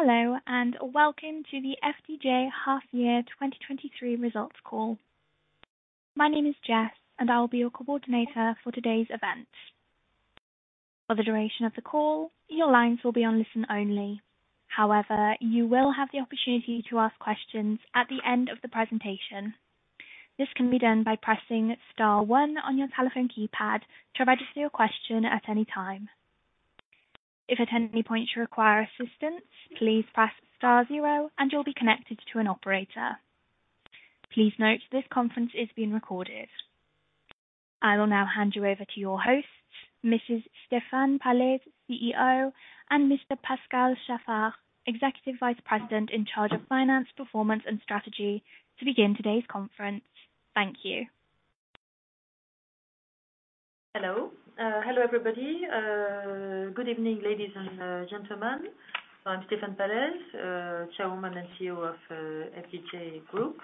Hello, welcome to the FDJ Half-Year 2023 Results Call. My name is Jess, I'll be your coordinator for today's event. For the duration of the call, your lines will be on listen-only. However, you will have the opportunity to ask questions at the end of the presentation. This can be done by pressing star one on your telephone keypad to register your question at any time. If at any point you require assistance, please press star zero, and you'll be connected to an operator. Please note, this conference is being recorded. I will now hand you over to your hosts, Mrs. Stéphane Pallez, CEO, and Mr. Pascal Chaffard, Executive Vice President in charge of Finance, Performance, and Strategy, to begin today's conference. Thank you. Hello. Hello, everybody. Good evening, ladies and gentlemen. I'm Stéphane Pallez, Chairwoman and CEO of FDJ Group,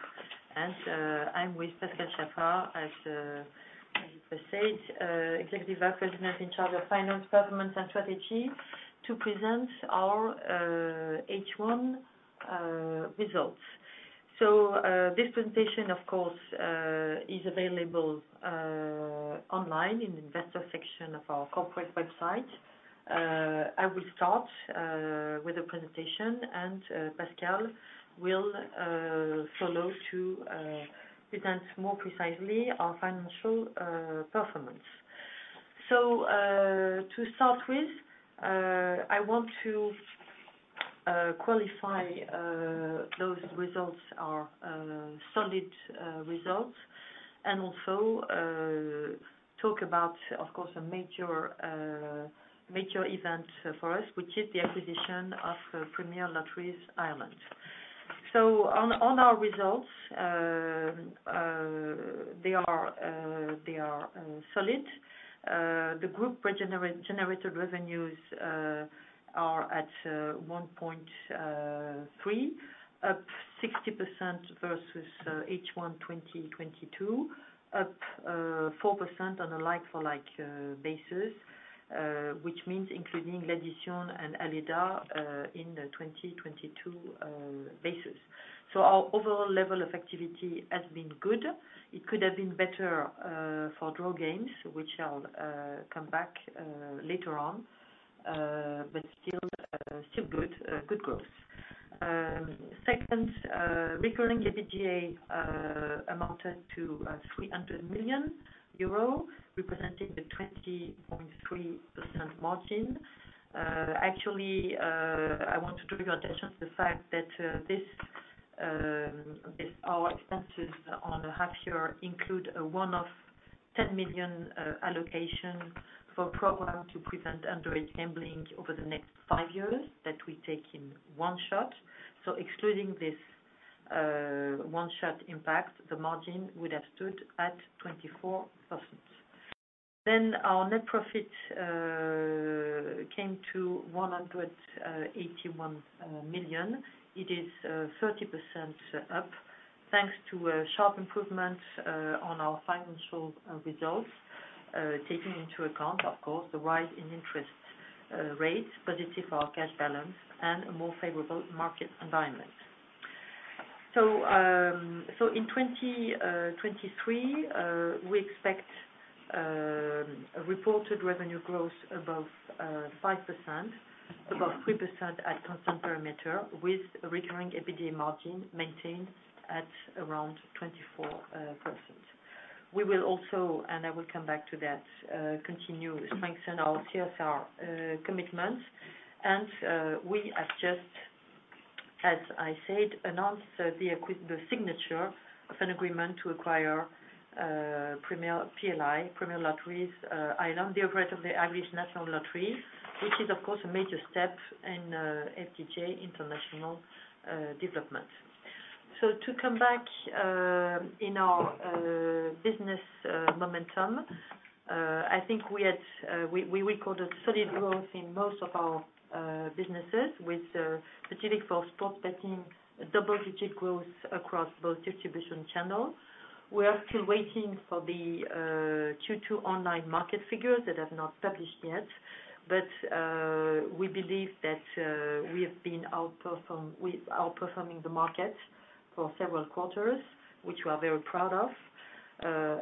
and I'm with Pascal Chaffard, as he presides, Executive Vice President in charge of Finance, Performance, and Strategy to present our H1 results. This presentation, of course, is available online in the investor section of our corporate website. I will start with the presentation, and Pascal will follow to present more precisely our financial performance. To start with, I want to qualify those results are solid results, and also talk about, of course, a major event for us, which is the acquisition of Premier Lotteries Ireland. On our results, they are solid. The group generated revenues are at 1.3, up 60% versus H1 2022, up 4% on a like-for-like basis, which means including L'Addition and Aleda in the 2022 basis. Our overall level of activity has been good. It could have been better for draw games, which I'll come back later on, but still good growth. Second, recurring EBITDA amounted to 300 million euro, representing the 20.3% margin. Actually, I want to draw your attention to the fact that this, our expenses on the half year include a one-off 10 million allocation for program to prevent underage gambling over the next five years, that we take in one shot. Excluding this one-shot impact, the margin would have stood at 24%. Our net profit came to 181 million. It is 30% up, thanks to a sharp improvement on our financial results, taking into account, of course, the rise in interest rates, positive for our cash balance and a more favorable market environment. In 2023, we expect a reported revenue growth above 5%, above 3% at constant perimeter, with a recurring EBITDA margin maintained at around 24%. We will also, and I will come back to that, continue to strengthen our CSR commitment. We have just, as I said, announced the signature of an agreement to acquire Premier, PLI, Premier Lotteries Ireland, the operator of the Irish National Lottery, which is, of course, a major step in FDJ international development. To come back in our business momentum, I think we recorded solid growth in most of our businesses with particularly for sports betting, double-digit growth across both distribution channels. We are still waiting for the Q2 online market figures that have not published yet, we believe that we outperforming the market for several quarters, which we are very proud of.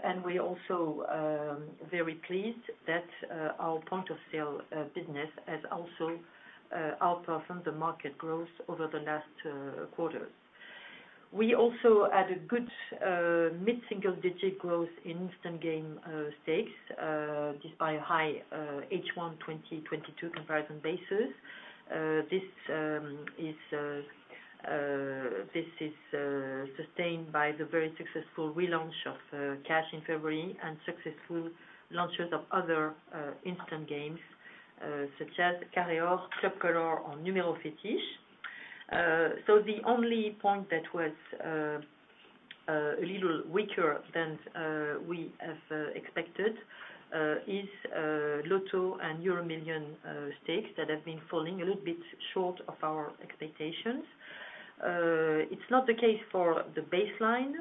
And we also, very pleased that, our point of sale, business has also, outperformed the market growth over the last, quarters. We also had a good, mid-single digit growth in instant game, stakes, despite a high, H1 2022 comparison basis. This is sustained by the very successful relaunch of, cash in February and successful launches of other, instant games, such as Carré Or, Club Color, or Numéro Fétiche. So the only point that was, a little weaker than, we have, expected, is, Loto and EuroMillions, stakes that have been falling a little bit short of our expectations. It's not the case for the baseline,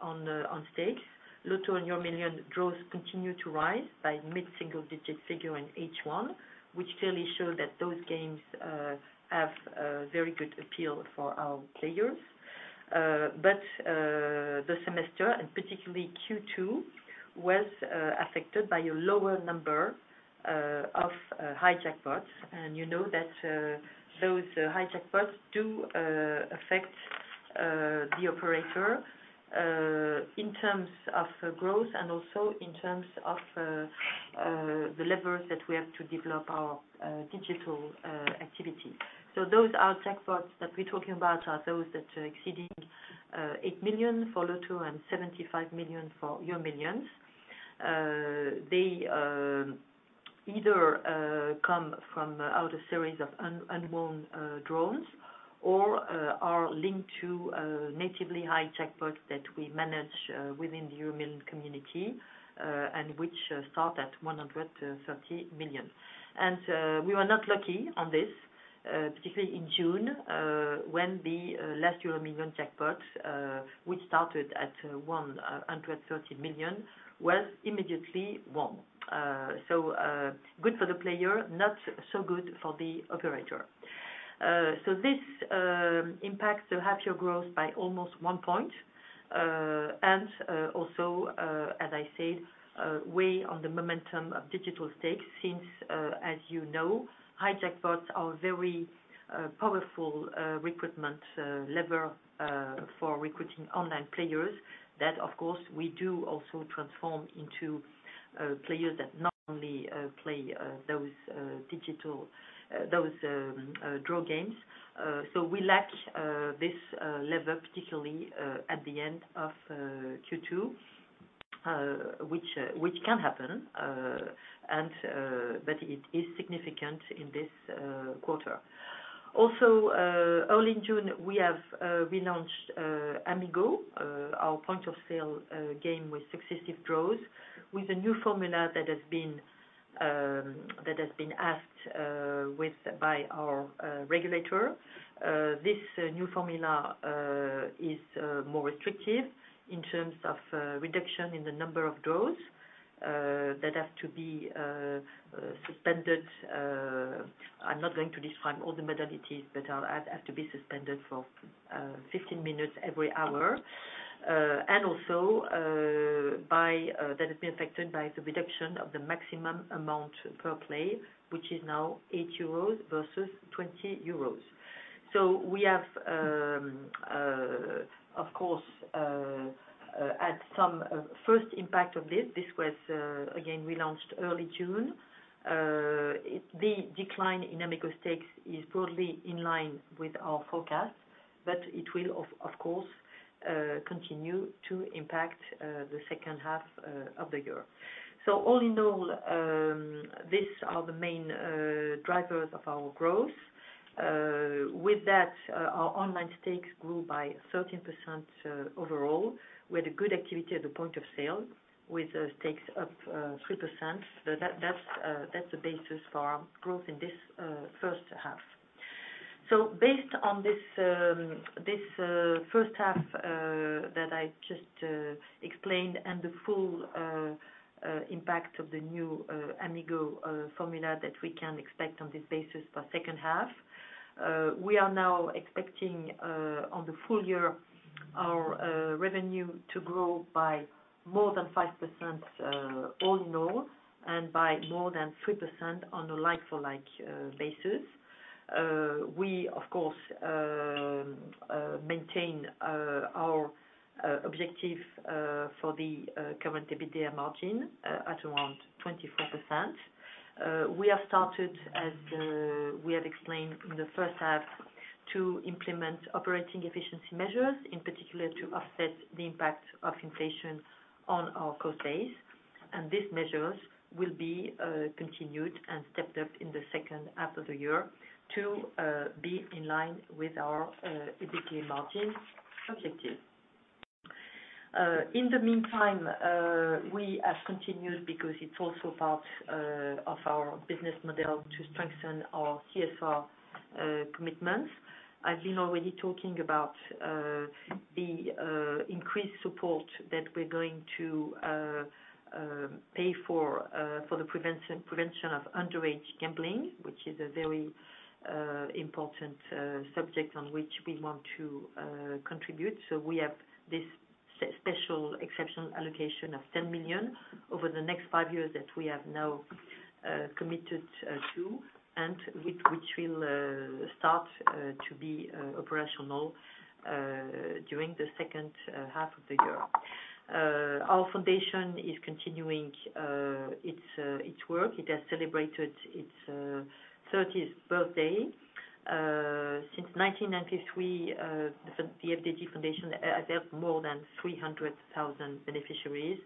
on the, on stakes. Loto and EuroMillions draws continue to rise by mid-single digit figure in H1, which clearly show that those games have a very good appeal for our players. The semester, and particularly Q2, was affected by a lower number of high jackpots. You know that those high jackpots do affect the operator in terms of growth and also in terms of the levers that we have to develop our digital activity. Those are jackpots that we're talking about are those that are exceeding 8 million for Loto and 75 million for EuroMillions. They either come from out a series of unwon draws or are linked to natively high jackpots that we manage within the EuroMillions community, and which start at 130 million. We were not lucky on this, particularly in June, when the last EuroMillions jackpot, which started at 130 million, was immediately won. Good for the player, not so good for the operator. This impacts the half year growth by almost 1 point. Also, as I said, weigh on the momentum of digital stakes since, as you know, high jackpots are very powerful recruitment lever for recruiting online players. That, of course, we do also transform into players that not only play those draw games. So we lack this lever, particularly at the end of Q2, which can happen, but it is significant in this quarter. Also, early in June, we have relaunched Amigo, our point-of-sale game with successive draws, with a new formula that has been asked by our regulator. This new formula is more restrictive in terms of reduction in the number of draws that have to be suspended. I'm not going to describe all the modalities, but have to be suspended for 15 minutes every hour. Also that has been affected by the reduction of the maximum amount per play, which is now 8 euros versus 20 euros. We have of course had some first impact of this. This was again, relaunched early June. The decline in Amigo stakes is broadly in line with our forecast, but it will of course continue to impact the second half of the year. All in all, these are the main drivers of our growth. With that, our online stakes grew by 13% overall, with a good activity at the point of sale, with stakes up 3%. That's the basis for our growth in this first half. Based on this first half that I just explained, and the full impact of the new Amigo formula that we can expect on this basis for second half. We are now expecting on the full year, our revenue to grow by more than 5%, all in all, and by more than 3% on a like-for-like basis. We, of course, maintain our objective for the current EBITDA margin at around 24%. We have started, as we have explained in the first half, to implement operating efficiency measures, in particular to offset the impact of inflation on our cost base. These measures will be continued and stepped up in the second half of the year to be in line with our EBITDA margin objective. In the meantime, we have continued, because it's also part of our business model, to strengthen our CSR commitments. I've been already talking about the increased support that we're going to pay for the prevention of underage gambling, which is a very important subject on which we want to contribute. We have this special exceptional allocation of 10 million over the next 5 years that we have now committed to, and which will start to be operational during the second half of the year. Our foundation is continuing its work. It has celebrated its 30th birthday. Since 1993, the FDJ Foundation has helped more than 300,000 beneficiaries,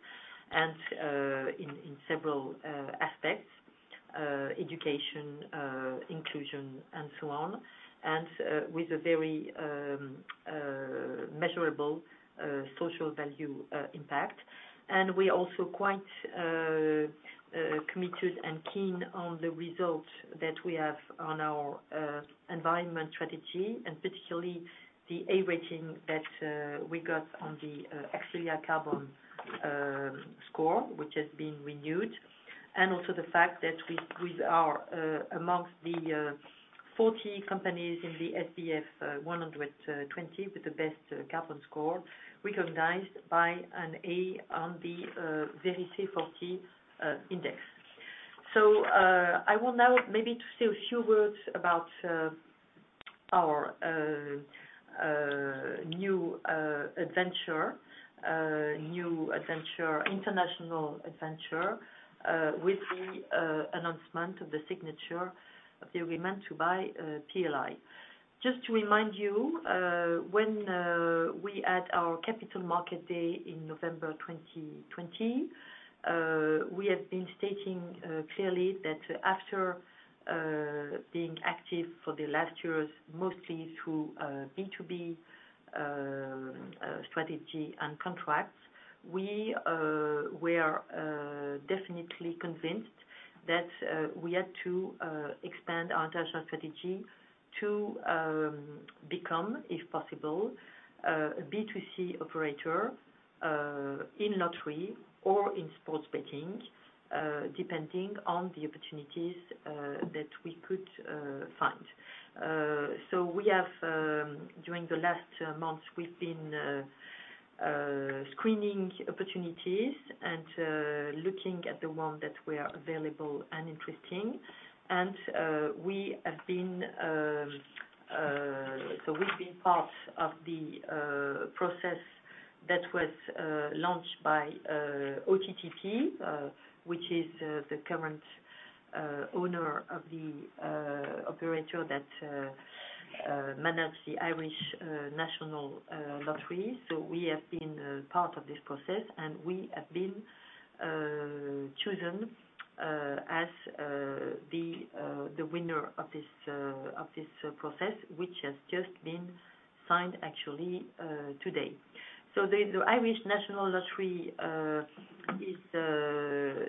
in several aspects, education, inclusion, and so on. With a very measurable social value impact. We are also quite committed and keen on the result that we have on our environmental strategy, and particularly the A rating that we got on the Axylia Carbon Score, which has been renewed. Also the fact that we are amongst the 40 companies in the SBF 120 with the best Carbon Score, recognized by an A on the Vérité40 Index. I will now maybe to say a few words about our new international adventure with the announcement of the signature of the agreement to buy PLI. When we had our Capital Markets Day in November 2020, we have been stating clearly that after being active for the last years, mostly through B2B strategy and contracts, we are definitely convinced that we had to expand our international strategy to become, if possible, a B2C operator in lottery or in sports betting, depending on the opportunities that we could find. We have, during the last months, been screening opportunities and looking at the one that were available and interesting. We've been part of the process that was launched by OTPP, which is the current owner of the operator that manages the Irish National Lottery. We have been part of this process, and we have been chosen as the winner of this process, which has just been signed, actually, today. The Irish National Lottery is the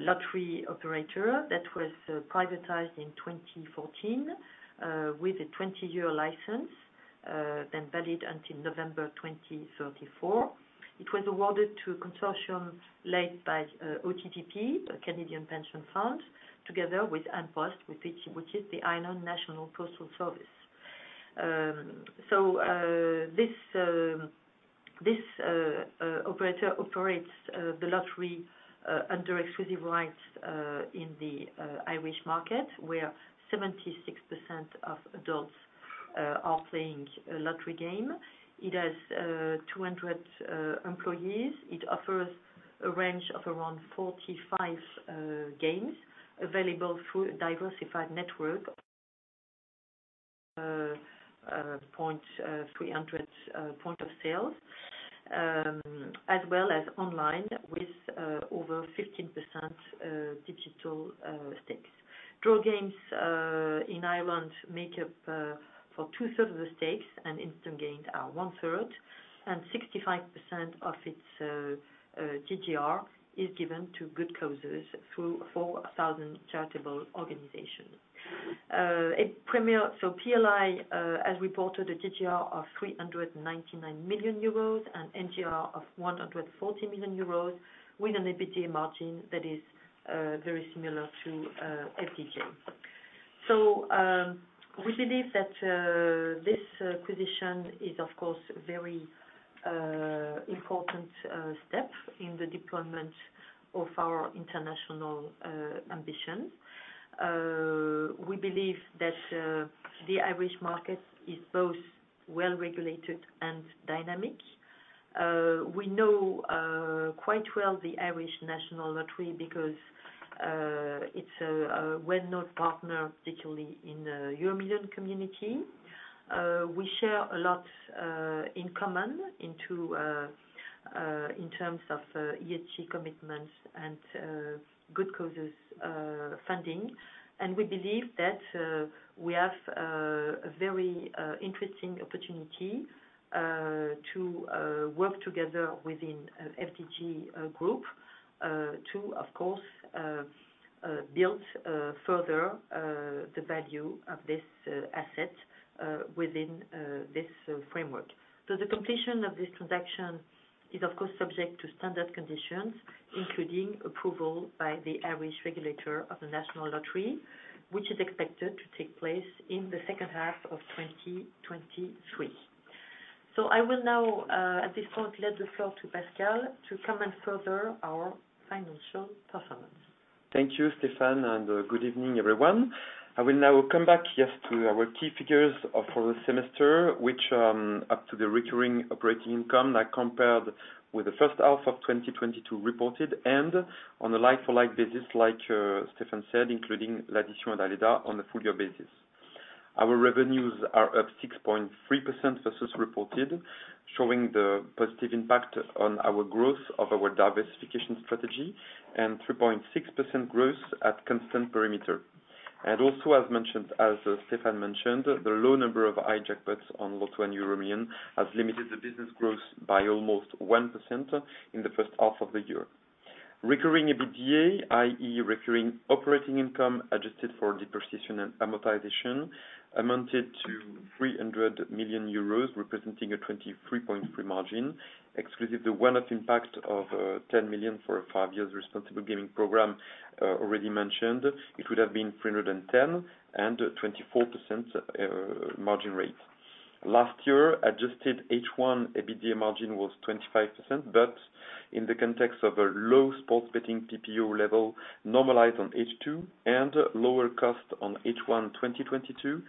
lottery operator that was privatized in 2014 with a 20-year license then valid until November 2034. It was awarded to a consortium led by OTPP, a Canadian pension fund, together with An Post, which is the Ireland National Postal Service. This operator operates the lottery under exclusive rights in the Irish market, where 76% of adults are playing a lottery game. It has 200 employees. It offers a range of around 45 games available through a diversified network, 300 point of sale. As well as online, with over 15% digital stakes. Draw games in Ireland make up for two-thirds of the stakes, and instant games are one-third, and 65% of its GGR is given to good causes through 4,000 charitable organizations. PLI has reported a GGR of 399 million euros and NGR of 140 million euros, with an EBITDA margin that is very similar to FDJ. We believe that this acquisition is, of course, a very important step in the deployment of our international ambition. We believe that the Irish market is both well-regulated and dynamic. We know quite well the Irish National Lottery because it's a well-known partner, particularly in the EuroMillions community. We share a lot in common in terms of ESG commitments and good causes funding. We believe that we have a very interesting opportunity to work together within FDJ Group to, of course, build further the value of this asset within this framework. The completion of this transaction is, of course, subject to standard conditions, including approval by the Irish Regulator of the National Lottery, which is expected to take place in the second half of 2023. I will now, at this point, pass the floor to Pascal, to comment further our financial performance. Thank you, Stéphane, good evening, everyone. I will now come back, yes, to our key figures for the semester, which up to the recurring operating income are compared with the first half of 2022 reported, and on a like-for-like basis, like Stéphane said, including La Française des Jeux on a full-year basis. Our revenues are up 6.3% versus reported. showing the positive impact on our growth of our diversification strategy and 3.6% growth at constant perimeter. Also, as mentioned, as Stéphane mentioned, the low number of high jackpots on Loto and EuroMillions has limited the business growth by almost 1% in the first half of the year. Recurring EBITDA, i.e., recurring operating income, adjusted for depreciation and amortization, amounted to 300 million euros, representing a 23.3% margin. Exclusive the one-off impact of 10 million for a 5-year responsible gaming program, already mentioned, it would have been 310 and 24% margin rate. Last year, adjusted H1 EBITDA margin was 25%, but in the context of a low sports betting PPU level, normalized on H2 and lower cost on H1 2022,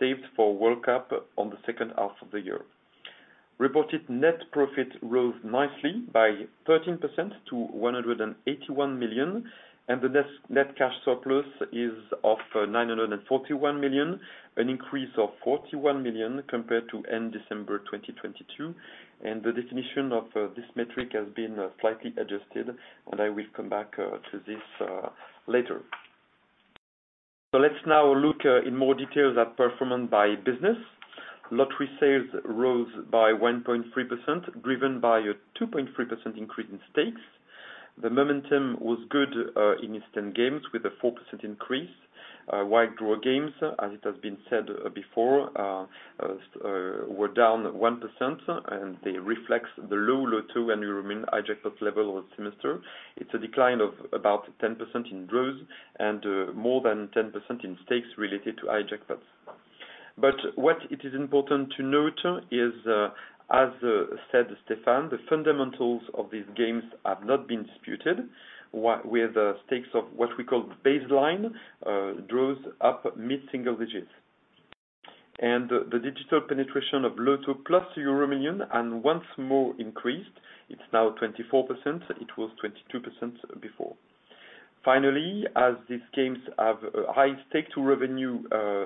saved for World Cup on the second half of the year. Reported net profit rose nicely by 13% to 181 million, and the net cash surplus is of 941 million, an increase of 41 million compared to end December 2022. The definition of this metric has been slightly adjusted, and I will come back to this later. Let's now look in more detail at performance by business. Lottery sales rose by 1.3%, driven by a 2.3% increase in stakes. The momentum was good in instant games with a 4% increase. Wide draw games, as it has been said before, were down 1%, and they reflect the low Loto and EuroMillions high jackpot level of semester. It's a decline of about 10% in draws and more than 10% in stakes related to high jackpots. What it is important to note is, as said Stéphane, the fundamentals of these games have not been disputed, with stakes of what we call baseline draws up mid-single digits. The digital penetration of Loto plus EuroMillions and once more increased, it's now 24%, it was 22% before. Finally, as these games have a high stake-to-revenue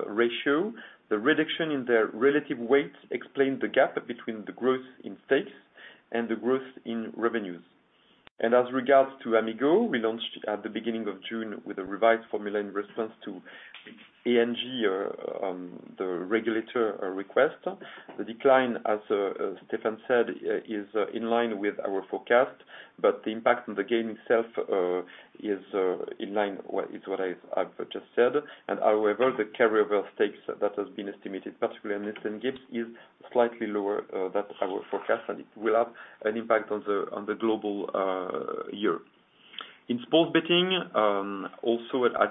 ratio, the reduction in their relative weight explain the gap between the growth in stakes and the growth in revenues. As regards to Amigo, we launched at the beginning of June with a revised formula in response to ANJ, the regulator, request. The decline, as Stéphane said, is in line with our forecast, but the impact on the game itself, is in line with what I've just said. However, the carryover stakes that has been estimated, particularly on instant games, is slightly lower than our forecast, and it will have an impact on the global year. In sports betting, also, as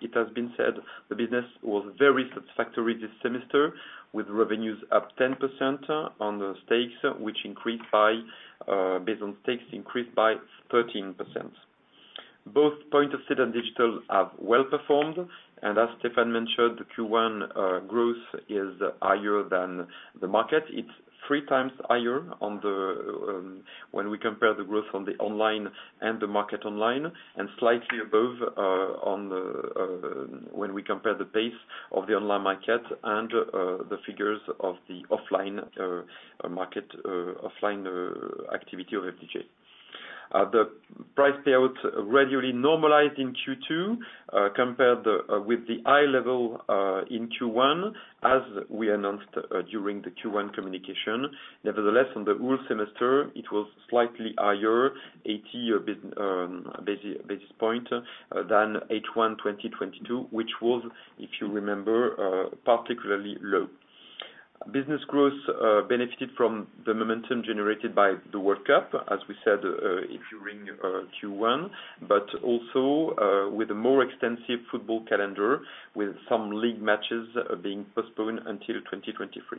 it has been said, the business was very satisfactory this semester, with revenues up 10% on the stakes, which increased by, based on stakes, increased by 13%. Both point of sale and digital have well-performed. As Stéphane mentioned, the Q1 growth is higher than the market. It's three times higher on the when we compare the growth on the online and the market online, slightly above on the when we compare the pace of the online market and the figures of the offline market, offline activity of FDJ. The price payouts regularly normalized in Q2 compared with the high level in Q1, as we announced during the Q1 communication. Nevertheless, on the whole semester, it was slightly higher, 80 basis point than H1 2022, which was, if you remember, particularly low. Business growth benefited from the momentum generated by the World Cup, as we said, during Q1, but also with a more extensive football calendar, with some league matches being postponed until 2023.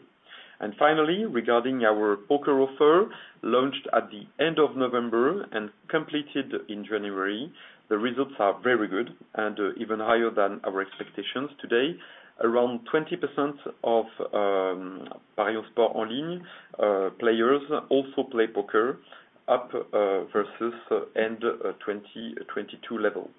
Finally, regarding our poker offer, launched at the end of November and completed in January, the results are very good and even higher than our expectations. Today, around 20% of ParionsSport en Ligne players also play poker up versus end 2022 level.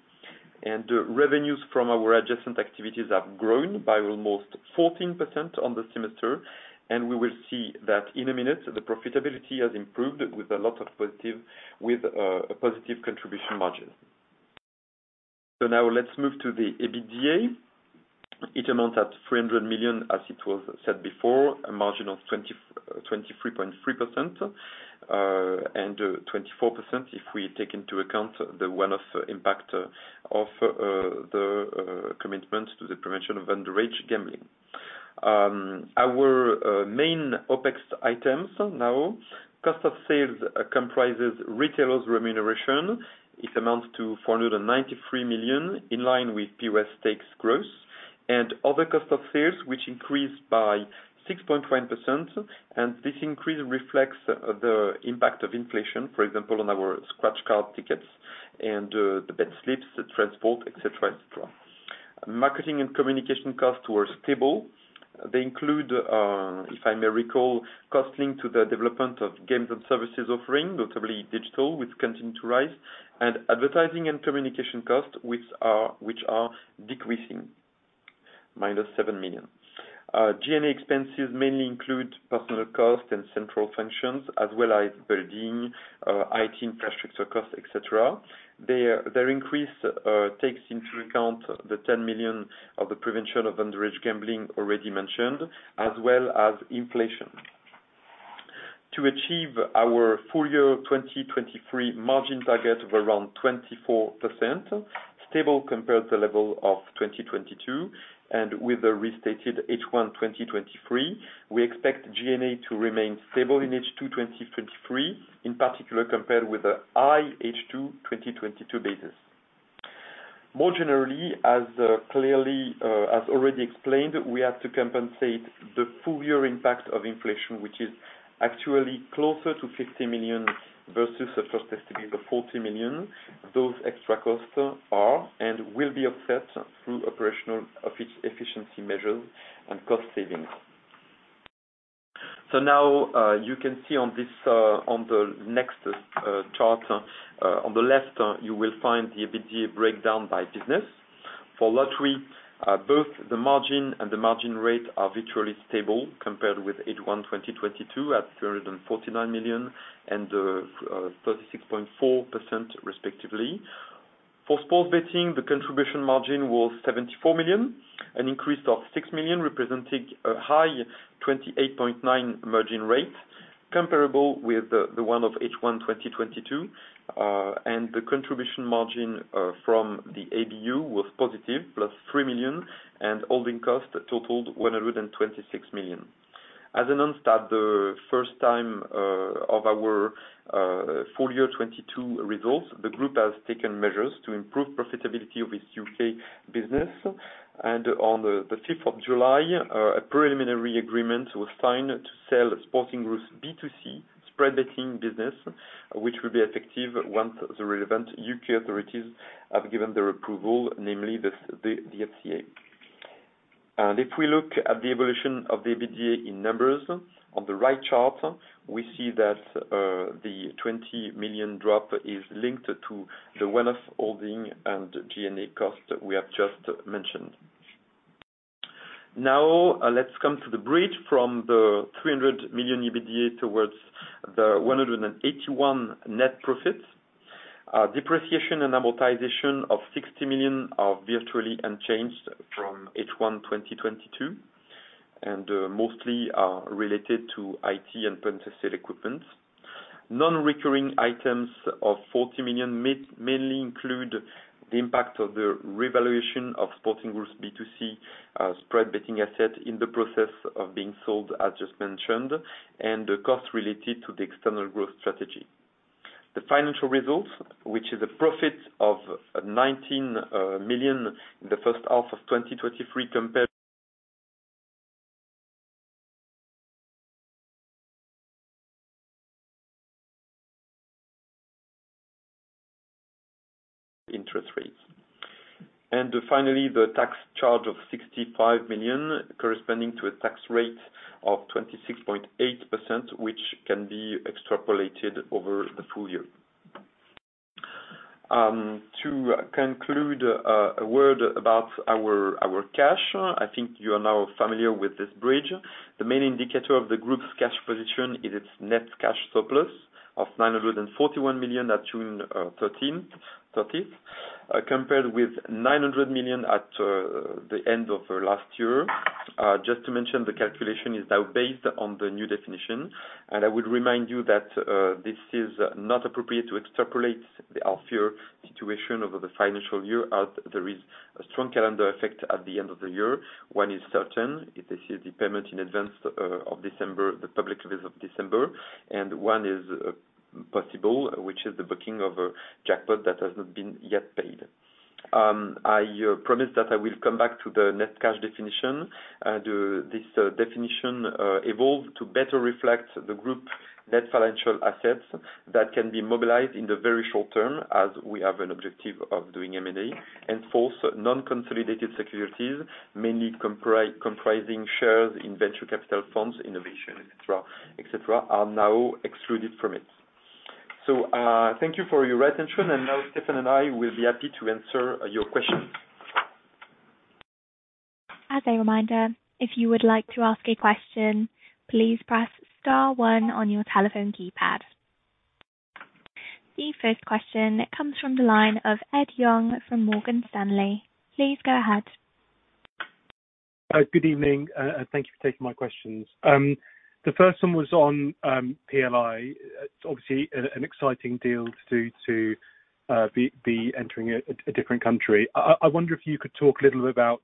Revenues from our adjacent activities have grown by almost 14% on the semester, and we will see that in a minute, the profitability has improved with a positive contribution margin. Now let's move to the EBITDA. It amounts at 300 million, as it was said before, a margin of 23.3%, and 24%, if we take into account the one-off impact of the commitment to the prevention of underage gambling. Our main OpEx items now, cost of sales comprises retailers' remuneration. It amounts to 493 million, in line with previous stakes growth, other cost of sales, which increased by 6.5%, this increase reflects the impact of inflation, for example, on our scratch card tickets and the bet slips, the transport, etc. Marketing and communication costs were stable. They include, if I may recall, cost link to the development of games and services offering, notably digital, which continue to rise, advertising and communication costs, which are decreasing, -7 million. G&A expenses mainly include personal costs and central functions, as well as building IT infrastructure costs, etc. Their increase takes into account the 10 million of the prevention of underage gambling already mentioned, as well as inflation. To achieve our full year 2023 margin target of around 24%, stable compared to level of 2022, with a restated H1 2023, we expect G&A to remain stable in H2 2023, in particular, compared with the high H2 2022 basis. More generally, as clearly as already explained, we have to compensate the full year impact of inflation, which is actually closer to 50 million versus the first estimate of 40 million. Those extra costs are, and will be offset through operational efficiency measures and cost savings. Now, you can see on this on the next chart, on the left, you will find the EBITDA breakdown by business. For lottery, both the margin and the margin rate are virtually stable compared with H1 2022, at 349 million, and 36.4% respectively. For sports betting, the contribution margin was 74 million, an increase of 6 million, representing a high 28.9% margin rate, comparable with the one of H1 2022. The contribution margin from the ABU was positive, +3 million, and holding costs totaled 126 million. As announced at the first time of our full year 2022 results, the group has taken measures to improve profitability of its U.K. business. On the 5th of July, a preliminary agreement was signed to sell Sporting Group's B2C spread betting business, which will be effective once the relevant U.K. authorities have given their approval, namely the FCA. If we look at the evolution of the EBITDA in numbers, on the right chart, we see that the 20 million drop is linked to the one-off holding and G&A cost we have just mentioned. Now, let's come to the bridge from the 300 million EBITDA towards the 181 million net profits. Depreciation and amortization o`f 60 million are virtually unchanged from H1 2022, and mostly are related to IT and point-of-sale equipment. Non-recurring items of 40 million mainly include the impact of the revaluation of Sporting Group's B2C spread betting asset in the process of being sold, as just mentioned, and the costs related to the external growth strategy. The financial results, which is a profit of 19 million in the first half of 2023 compared interest rates. Finally, the tax charge of 65 million, corresponding to a tax rate of 26.8%, which can be extrapolated over the full year. To conclude, a word about our cash. I think you are now familiar with this bridge. The main indicator of the group's cash position is its net cash surplus of 941 million at June 30th, compared with 900 million at the end of last year. Just to mention, the calculation is now based on the new definition, and I would remind you that this is not appropriate to extrapolate the half-year situation over the financial year, as there is a strong calendar effect at the end of the year. 1 is certain, this is the payment in advance of December, the public release of December, and 1 is possible, which is the booking of a jackpot that has not been yet paid. I promise that I will come back to the net cash definition. This definition evolved to better reflect the group net financial assets that can be mobilized in the very short term, as we have an objective of doing M&A. 4th, non-consolidated securities, mainly comprising shares in venture capital funds, innovation, etc., are now excluded from it. Thank you for your attention, now Stéphane and I will be happy to answer your questions. As a reminder, if you would like to ask a question, please press star one on your telephone keypad. The first question comes from the line of Ed Young from Morgan Stanley. Please go ahead. Good evening. Thank you for taking my questions. The first one was on PLI. Obviously, an exciting deal to be entering a different country. I wonder if you could talk a little about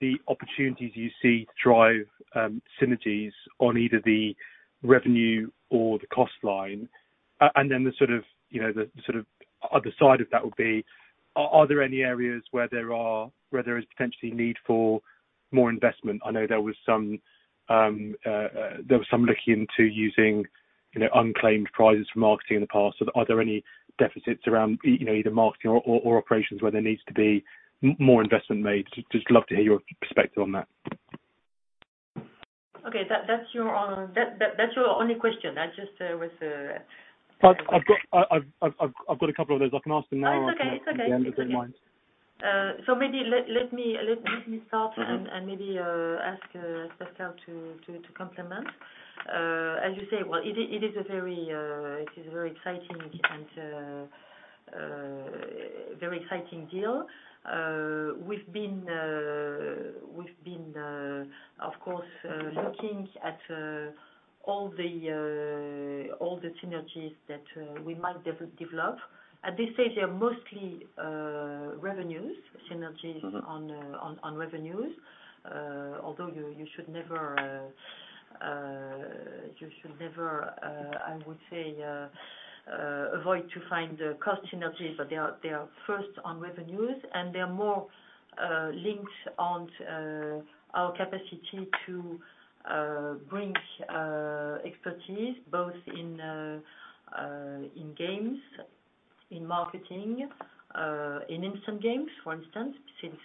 the opportunities you see to drive synergies on either the revenue or the cost line. And then the sort of, you know, other side of that would be, are there any areas where there is potentially need for more investment? I know there was some looking into using, you know, unclaimed prizes for marketing in the past. Are there any deficits around, you know, either marketing or operations, where there needs to be more investment made? Just love to hear your perspective on that. Okay, that's your, that's your only question? I've got a couple of those. I can ask them now. Oh, it's okay. It's okay. If you don't mind. Maybe let me start. Maybe ask Pascal to compliment. As you say, well, it is a very exciting and very exciting deal. We've been of course looking at all the synergies that we might develop. At this stage, they are mostly revenues, synergies on revenues. Although you should never, I would say, avoid to find the cost synergies, but they are first on revenues, and they are more linked on our capacity to bring expertise both in, in games, in marketing, in instant games, for instance, since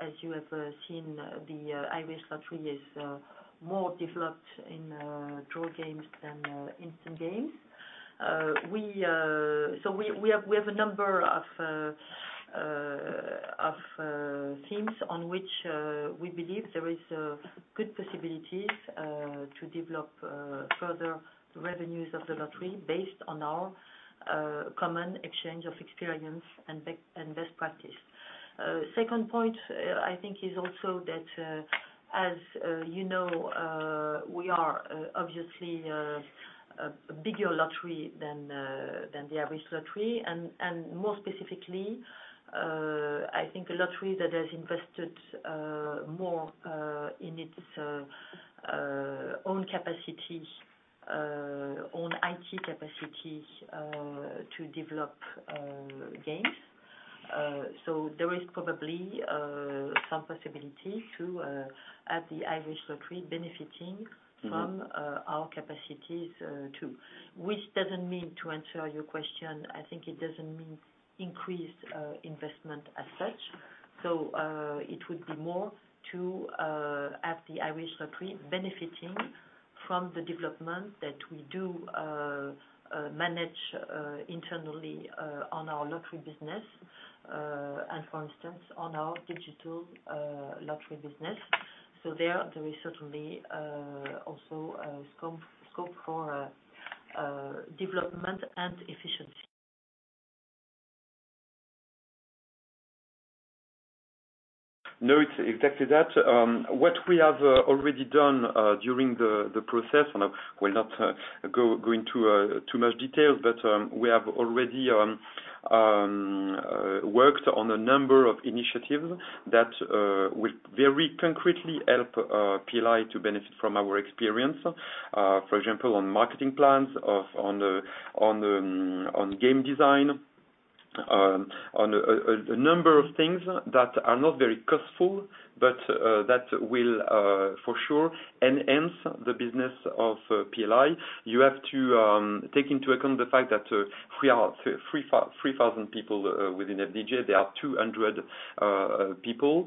as you have seen, the Irish National Lottery is more developed in draw games than instant games. We have a number of, of things on which we believe there is good possibilities to develop further revenues of the lottery based on our common exchange of experience and best practice. Second point, I think is also that, as, you know, we are obviously a bigger lottery than the Irish Lottery, and more specifically, I think a lottery that has invested more in its own capacity, own IT capacity, to develop games. There is probably some possibility to have the Irish Lottery benefiting from our capacities too. Which doesn't mean to answer your question, I think it doesn't mean increased investment as such. It would be more to have the Irish Lottery benefiting from the development that we do manage internally on our lottery business and for instance, on our digital lottery business. There is certainly also scope for development and efficiency. No, it's exactly that. What we have already done during the process, and I will not go into too much details, but we have already worked on a number of initiatives that will very concretely help PLI to benefit from our experience. For example, on marketing plans, on game design, on a number of things that are not very costful, but that will for sure enhance the business of PLI. You have to take into account the fact that we are 3,000 people within FDJ. There are 200 people,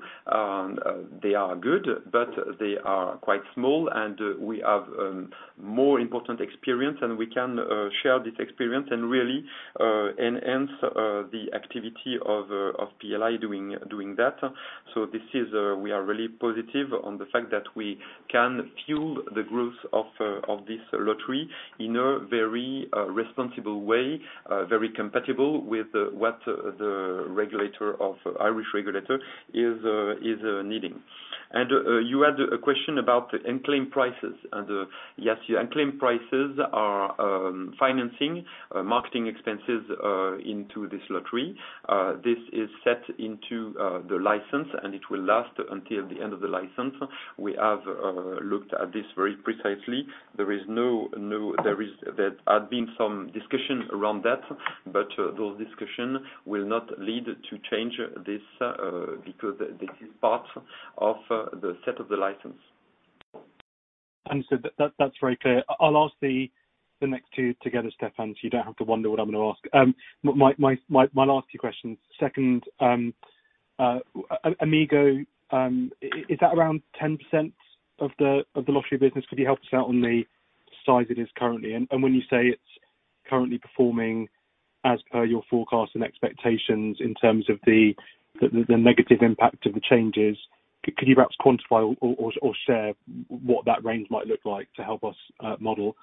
they are good, but they are quite small, we have more important experience, we can share this experience and really enhance the activity of PLI doing that. This is we are really positive on the fact that we can fuel the growth of this lottery in a very responsible way, very compatible with what the regulator of Irish regulator is needing. You had a question about the unclaimed prices, yes, your unclaimed prices are financing marketing expenses into this lottery. This is set into the license, and it will last until the end of the license. We have looked at this very precisely. There had been some discussion around that, but those discussion will not lead to change this because this is part of the set of the licence. Understood. That's very clear. I'll ask the next two together, Stéphane, so you don't have to wonder what I'm gonna ask. My last two questions. Second, Amigo, is that around 10% of the lottery business? Could you help us out on the size it is currently? When you say it's currently performing as per your forecast and expectations in terms of the negative impact of the changes, could you perhaps quantify or share what that range might look like to help us model?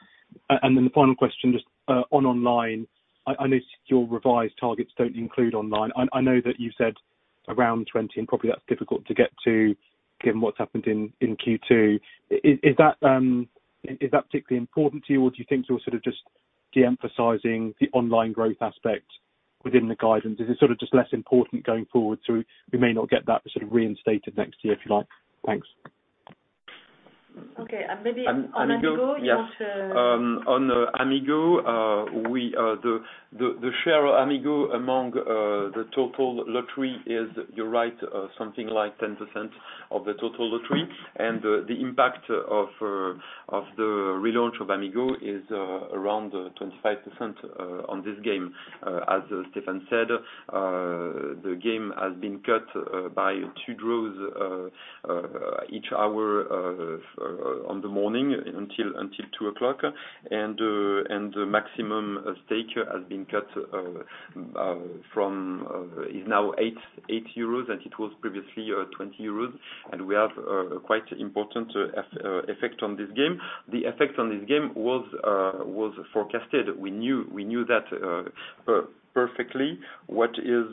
Then the final question, just on online, I notice your revised targets don't include online. I know that you said around 20, and probably that's difficult to get to, given what's happened in Q2. Is that particularly important to you, or do you think you're sort of just de-emphasizing the online growth aspect within the guidance? Is it sort of just less important going forward, so we may not get that sort of reinstated next year, if you like? Thanks. Okay. Amigo- On Amigo, you want. On Amigo, we the share Amigo among the total lottery is, you're right, something like 10% of the total lottery. The impact of the relaunch of Amigo is around 25% on this game. As Stéphane said, the game has been cut by 2 draws each hour on the morning until 2:00 P.M. The maximum stake has been cut from is now 8 euros, and it was previously 20 euros. We have quite important effect on this game. The effect on this game was forecasted. We knew that perfectly. What is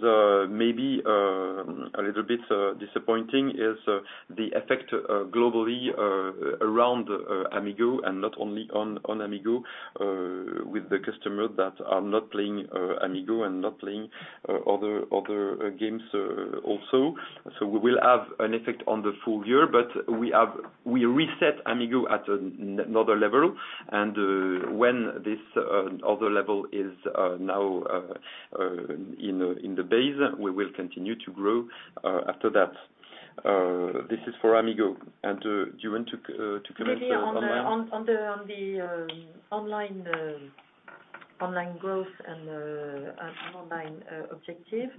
maybe a little bit disappointing is the effect globally around Amigo and not only on Amigo, with the customer that are not playing Amigo and not playing other games also. We will have an effect on the full year, but we reset Amigo at another level. When this other level is now in the base, we will continue to grow after that. This is for Amigo. Do you want to comment on online? On the online growth and online objective,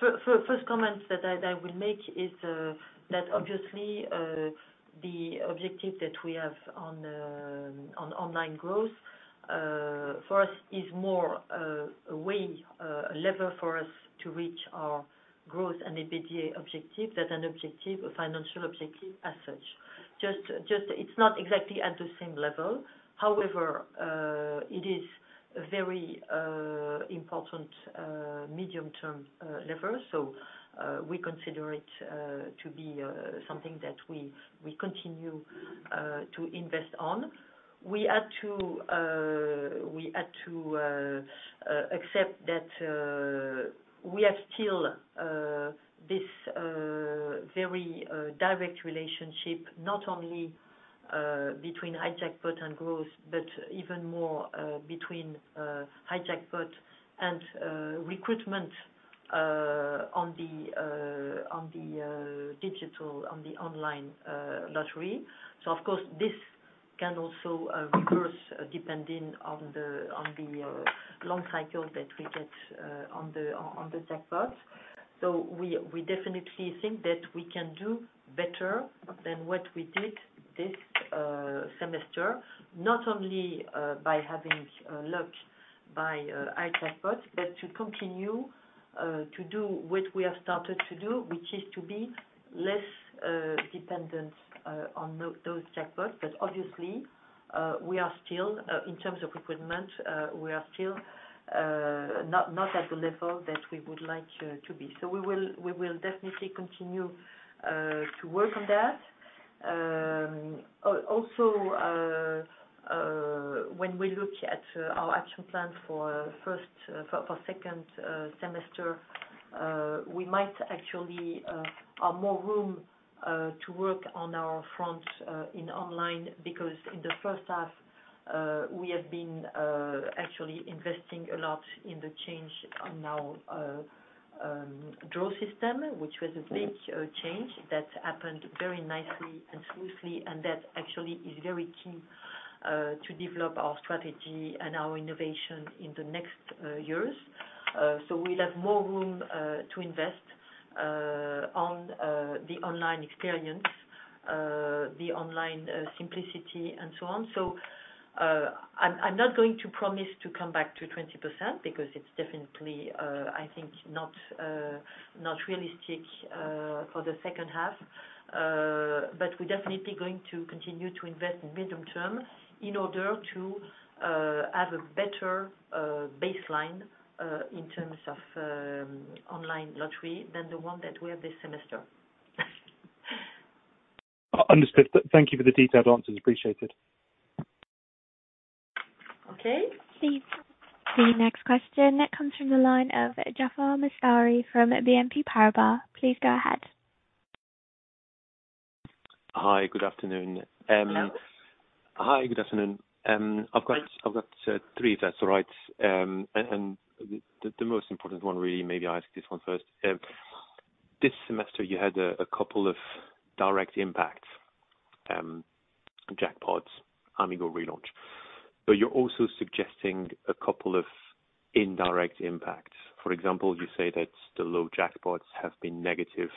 first comment that I will make is that obviously the objective that we have on online growth, first is more a way, a lever for us to reach our growth and EBITDA objective than an objective, a financial objective as such. Just it's not exactly at the same level. However, it is very important medium-term lever. We consider it to be something that we continue to invest on. We had to accept that we are still this very direct relationship, not only between high jackpot and growth, but even more between high jackpot and recruitment on the digital, on the online lottery. Of course, this can also reverse, depending on the long cycle that we get on the jackpot. We definitely think that we can do better than what we did this semester, not only by having luck by high jackpot, but to continue to do what we have started to do, which is to be less dependent on those jackpots. Obviously, we are still, in terms of recruitment, not at the level that we would like to be. We will definitely continue to work on that. Also, when we look at our action plan for second semester, we might actually have more room to work on our front in online, because in the first half, we have been actually investing a lot in the change on our draw system, which was a big change that happened very nicely and smoothly, and that actually is very key to develop our strategy and our innovation in the next years. We'll have more room to invest on the online experience, the online simplicity, and so on. I'm not going to promise to come back to 20% because it's definitely I think not not realistic for the second half. We're definitely going to continue to invest in medium term, in order to have a better baseline in terms of online lottery than the one that we have this semester. Understood. Thank you for the detailed answers. Appreciated. Okay. Please, the next question that comes from the line of Jaafar Mestari from BNP Paribas. Please go ahead. Hi, good afternoon. I've got three, if that's all right. The most important one, really, maybe I ask this one first. This semester, you had a couple of direct impacts, jackpots, Amigo relaunch, you're also suggesting a couple of indirect impacts. For example, you say that the low jackpots have been negative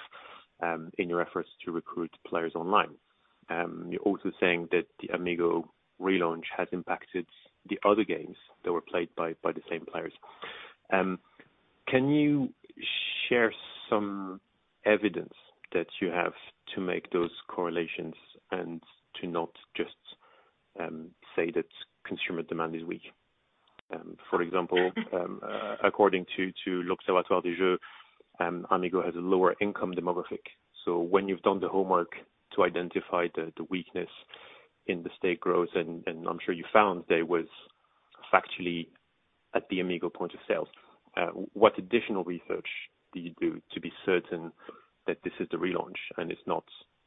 in your efforts to recruit players online. You're also saying that the Amigo relaunch has impacted the other games that were played by the same players. Can you share some evidence that you have to make those correlations and to not just say that consumer demand is weak? According to, Amigo has a lower-`income demographic. When you've done the homework to identify the weakness in the state growth, and I'm sure you found there was factually at the Amigo point of sale, what additional research did you do to be certain that this is the relaunch and it's not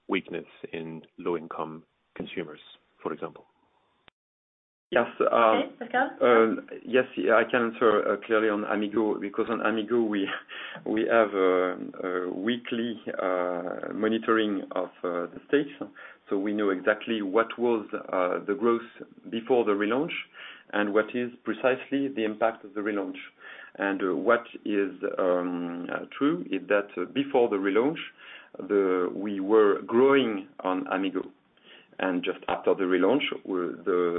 weakness in low-income consumers, for example? Yes, yes, I can answer clearly on Amigo, because on Amigo, we, we have a weekly monitoring of the stage. We know exactly what was the growth before the relaunch and what is precisely the impact of the relaunch. What is true, is that before the relaunch, we were growing on Amigo, and just after the relaunch,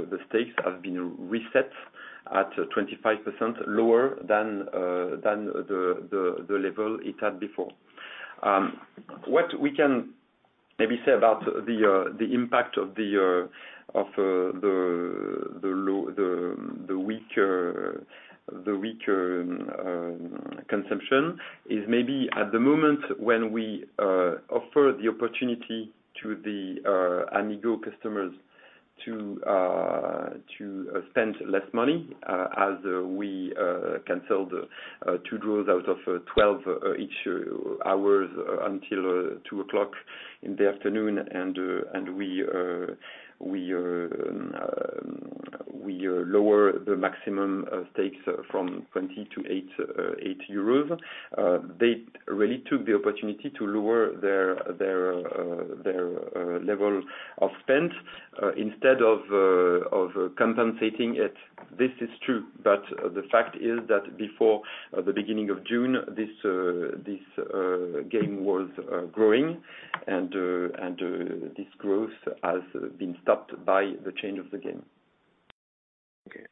the stakes have been reset at 25% lower than the level it had before. What we can maybe say about the impact of the, of, the weaker consumption, is maybe at the moment when we offer the opportunity to the Amigo customers to spend less money, as we cancel the two draws out of 12 each hours until 2:00 P.M. We lower the maximum stakes from 20-8 euros. They really took the opportunity to lower their level of spend, instead of compensating it. This is true, but the fact is that before the beginning of June, this game was growing, and this growth has been stopped by the change of the game. Okay.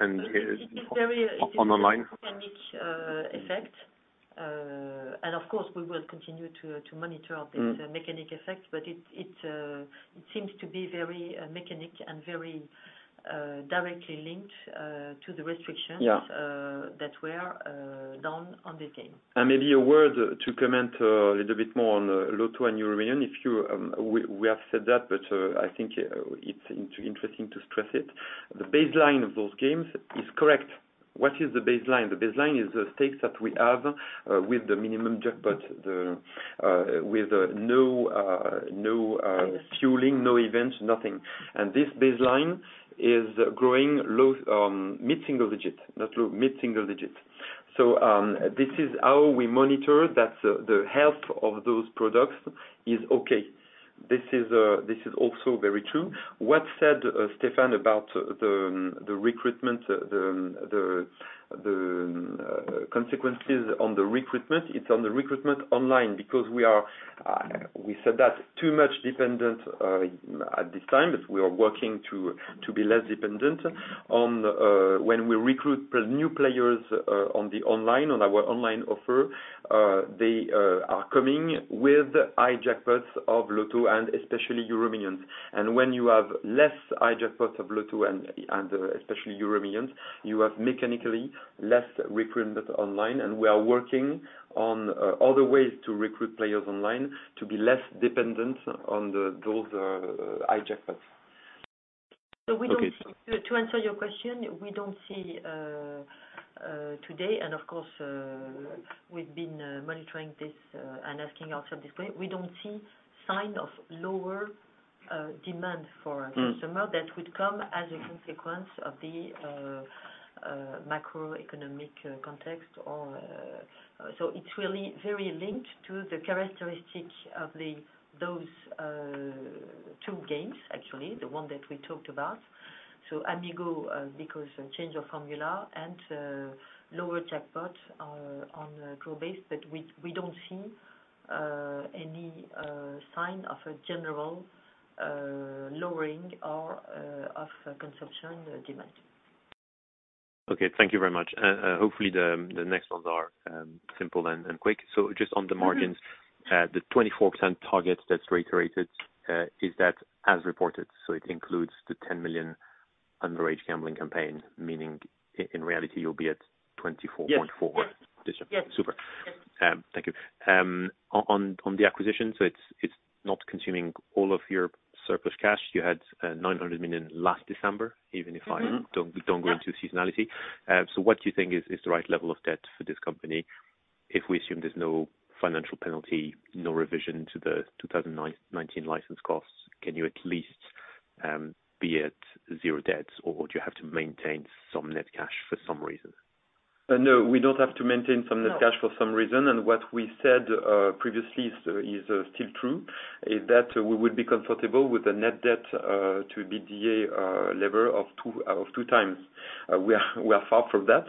It's very mechanic, effect. Of course, we will continue to monitor out this mechanic effect, but it seems to be very, mechanic and very, directly linked, to the restrictions that were done on this game. Maybe a word to comment a little bit more on Loto and EuroMillions, if you we have said that, but I think it's interesting to stress it. The baseline of those games is correct. What is the baseline? The baseline is the stakes that we have with the minimum jackpot, with no fueling, no event, nothing. This baseline is growing low, mid-single digit, not low, mid-single digit. This is how we monitor that the health of those products is okay. This is, this is also very true. What said Stéphane, about the recruitment, the consequences on the recruitment? It's on the recruitment online, because we are, we said that too much dependent at this time, but we are working to be less dependent on when we recruit new players on the online, on our online offer. They are coming with high jackpots of Loto and especially EuroMillions. When you have less high jackpots of Loto and especially EuroMillions, you have mechanically less recruitment online, and we are working on other ways to recruit players online, to be less dependent on those, high jackpots. Okay. To answer your question, we don't see today, and of course, we've been monitoring this and asking also this way, we don't see sign of lower demand for our customerthat would come as a consequence of the macroeconomic context, or. It's really very linked to the characteristic of the those two games, actually, the one that we talked about. Amigo, because change of formula and lower jackpot on the grow base, but we don't see any sign of a general lowering or of consumption demand. Okay. Thank you very much. Hopefully, the next ones are simple and quick. Just on the margins the 24% target that's reiterated, is that as reported, so it includes the 10 million underage gambling campaign, meaning in reality, you'll be at 24.4%? Yes. Yes. Super. Yes. Thank you. on the acquisition, so it's not consuming all of your surplus cash. You had 900 million last December, even if I don't go into seasonality. What do you think is the right level of debt for this company? If we assume there's no financial penalty, no revision to the 2019 licence costs, can you at least be at zero debts, or do you have to maintain some net cash for some reason? No, we don't have to maintain some net cash for some reason. What we said previously is still true, is that we would be comfortable with the net debt to EBITDA level of 2x. We are far from that.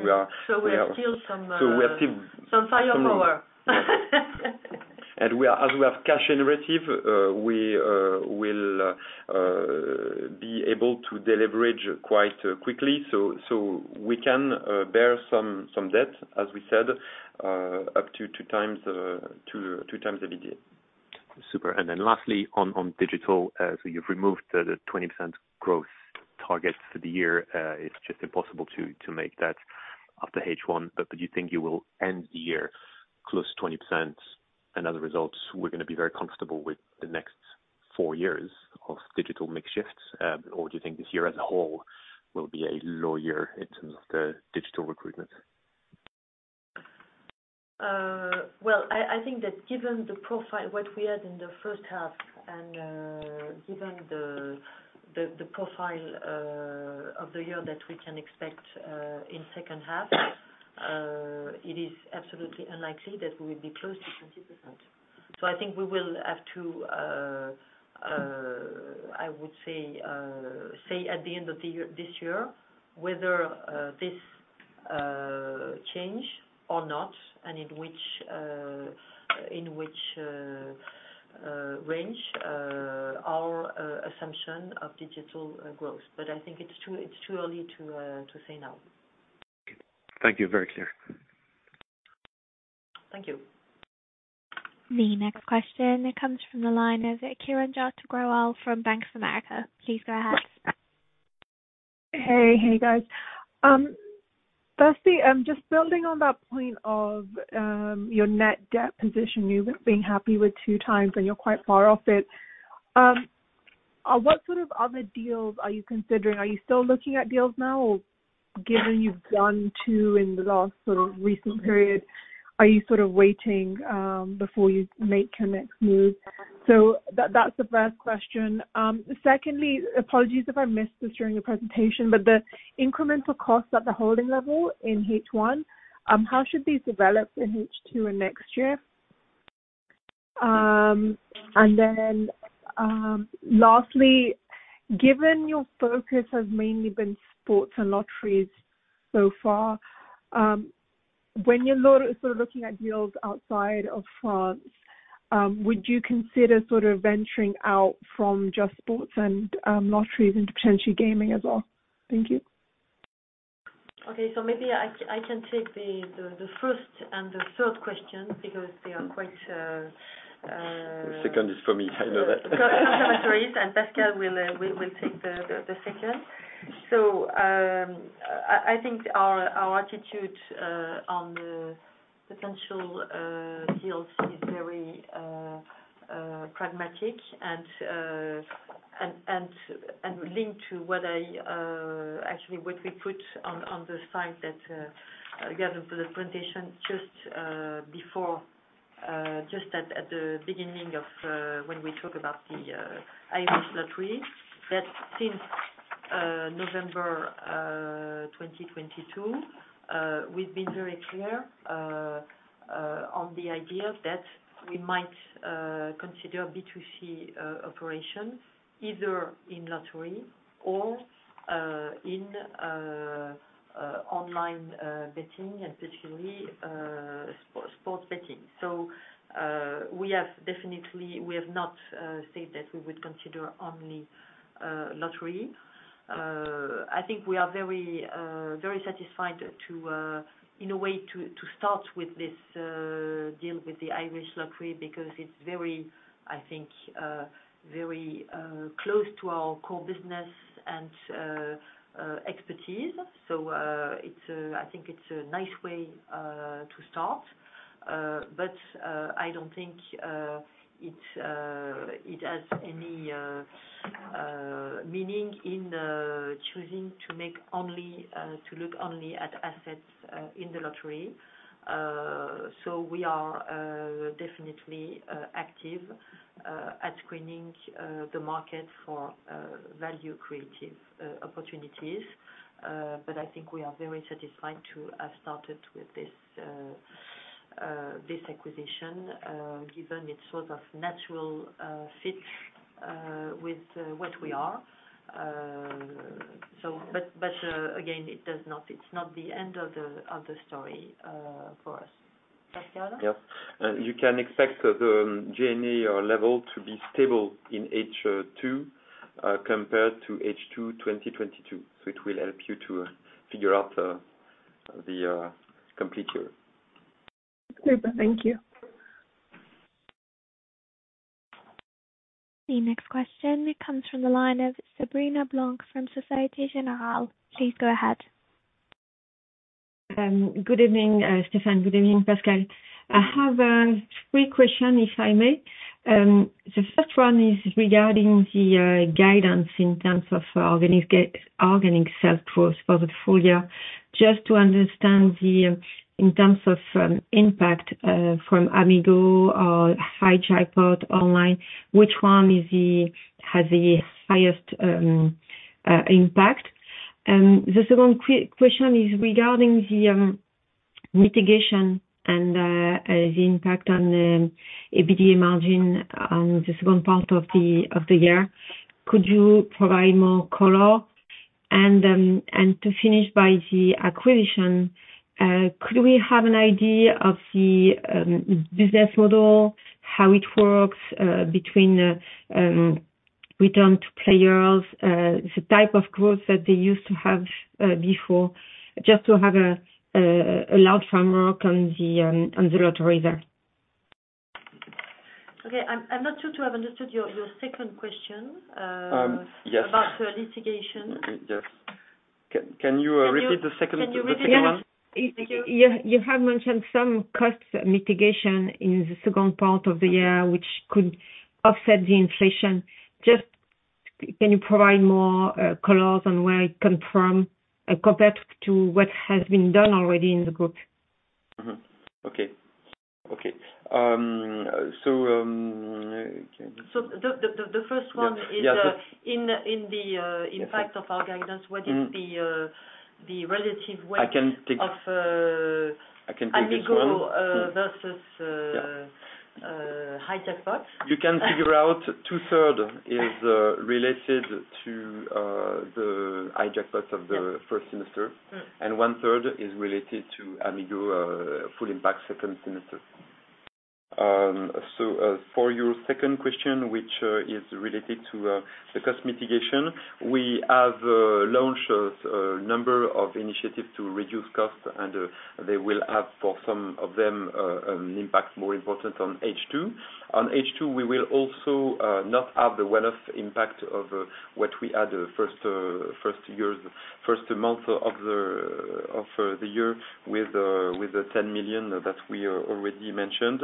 We are still some firepower. As we have cash generative, we will be able to deleverage quite quickly. We can bear some debt, as we said, up to 2x the EBITDA. Super. Lastly, on digital, you've removed the 20% growth target for the year. It's just impossible to make that after H1, but you think you will end the year close to 20%? As a result, we're gonna be very comfortable with the next 4 years of digital mix shifts, or do you think this year as a whole will be a low year in terms of the digital recruitment? Well, I think that given the profile, what we had in the first half, and given the profile of the year that we can expect in second half, it is absolutely unlikely that we will be close to 20%. I think we will have to I would say at the end of the year this year, whether this change or not, and in which range, our assumption of digital growth. I think it's too early to say now. Thank you. Very clear. Thank you. The next question comes from the line of Kiranjot Grewal from Bank of America. Please go ahead. Hey. Hey, guys. Firstly, just building on that point of your net debt position, you were being happy with 2x, and you're quite far off it. What sort of other deals are you considering? Are you still looking at deals now, or given you've done two in the last sort of recent period, are you sort of waiting before you make your next move? That's the first question. Secondly, apologies if I missed this during your presentation, but the incremental costs at the holding level in H1, how should these develop in H2 and next year? Lastly, given your focus has mainly been sports and lotteries so far, when you're sort of looking at deals outside of France, would you consider sort of venturing out from just sports and lotteries into potentially gaming as well? Thank you. Okay. Maybe I can take the first and the third question because they are quite. The second is for me, I know that. Pascal will take the second. I think our attitude on the potential deals is very pragmatic and linked to what I actually, what we put on the site that gathered for the presentation just before, just at the beginning of when we talk about the Irish Lottery, that since November 2022, we've been very clear on the idea that we might consider B2C operation, either in lottery or in online betting and particularly sports betting. We have definitely, we have not said that we would consider only lottery. I think we are very, very satisfied to in a way to start with this deal with the Irish Lottery, because it's very, I think, very close to our core business and expertise. It's, I think, it's a nice way to start. I don't think it's it has any meaning in choosing to make only to look only at assets in the lottery. We are definitely active at screening the market for value-creative opportunities. I think we are very satisfied to have started with this this acquisition given it's sort of natural fit with what we are. Again, it's not the end of the story for us. Pascal? Yep. You can expect the G&A level to be stable in H2, compared to H2 2022. It will help you to figure out the complete year. Super. Thank you. The next question comes from the line of Sabrina Blanc from Société Générale. Please go ahead. Good evening, Stéphane. Good evening, Pascal. I have 3 questions, if I may. The first one is regarding the guidance in terms of organic sales growth for the full year. Just to understand the in terms of impact from Amigo or high jackpots online, which one has the highest impact? The second question is regarding the mitigation and the impact on EBITDA margin on the second part of the year. Could you provide more color? To finish by the acquisition, could we have an idea of the business model, how it works between return to players, the type of growth that they used to have before? Just to have a, a large framework on the, on the lottery there. Okay. I'm not sure to have understood your second question. Yes. About the litigation. Yes. Can you repeat the second one? Yeah. You have mentioned some cost mitigation in the second part of the year, which could offset the inflation. Can you provide more colors on where it come from, compared to what has been done already in the group? Okay. Okay. The first one is in the impact of our guidance, what is the relative weight? I can take this one. Amigo versus high jackpot? You can figure out two-third is related to the high jackpots of the first semester. One-third is related to Amigo, full impact second semester. For your second question, which is related to the cost mitigation, we have launched a number of initiatives to reduce costs, and they will have, for some of them, impact more important on H2. On H2, we will also not have the one-off impact of what we had the first years, first month of the year with the 10 million that we already mentioned.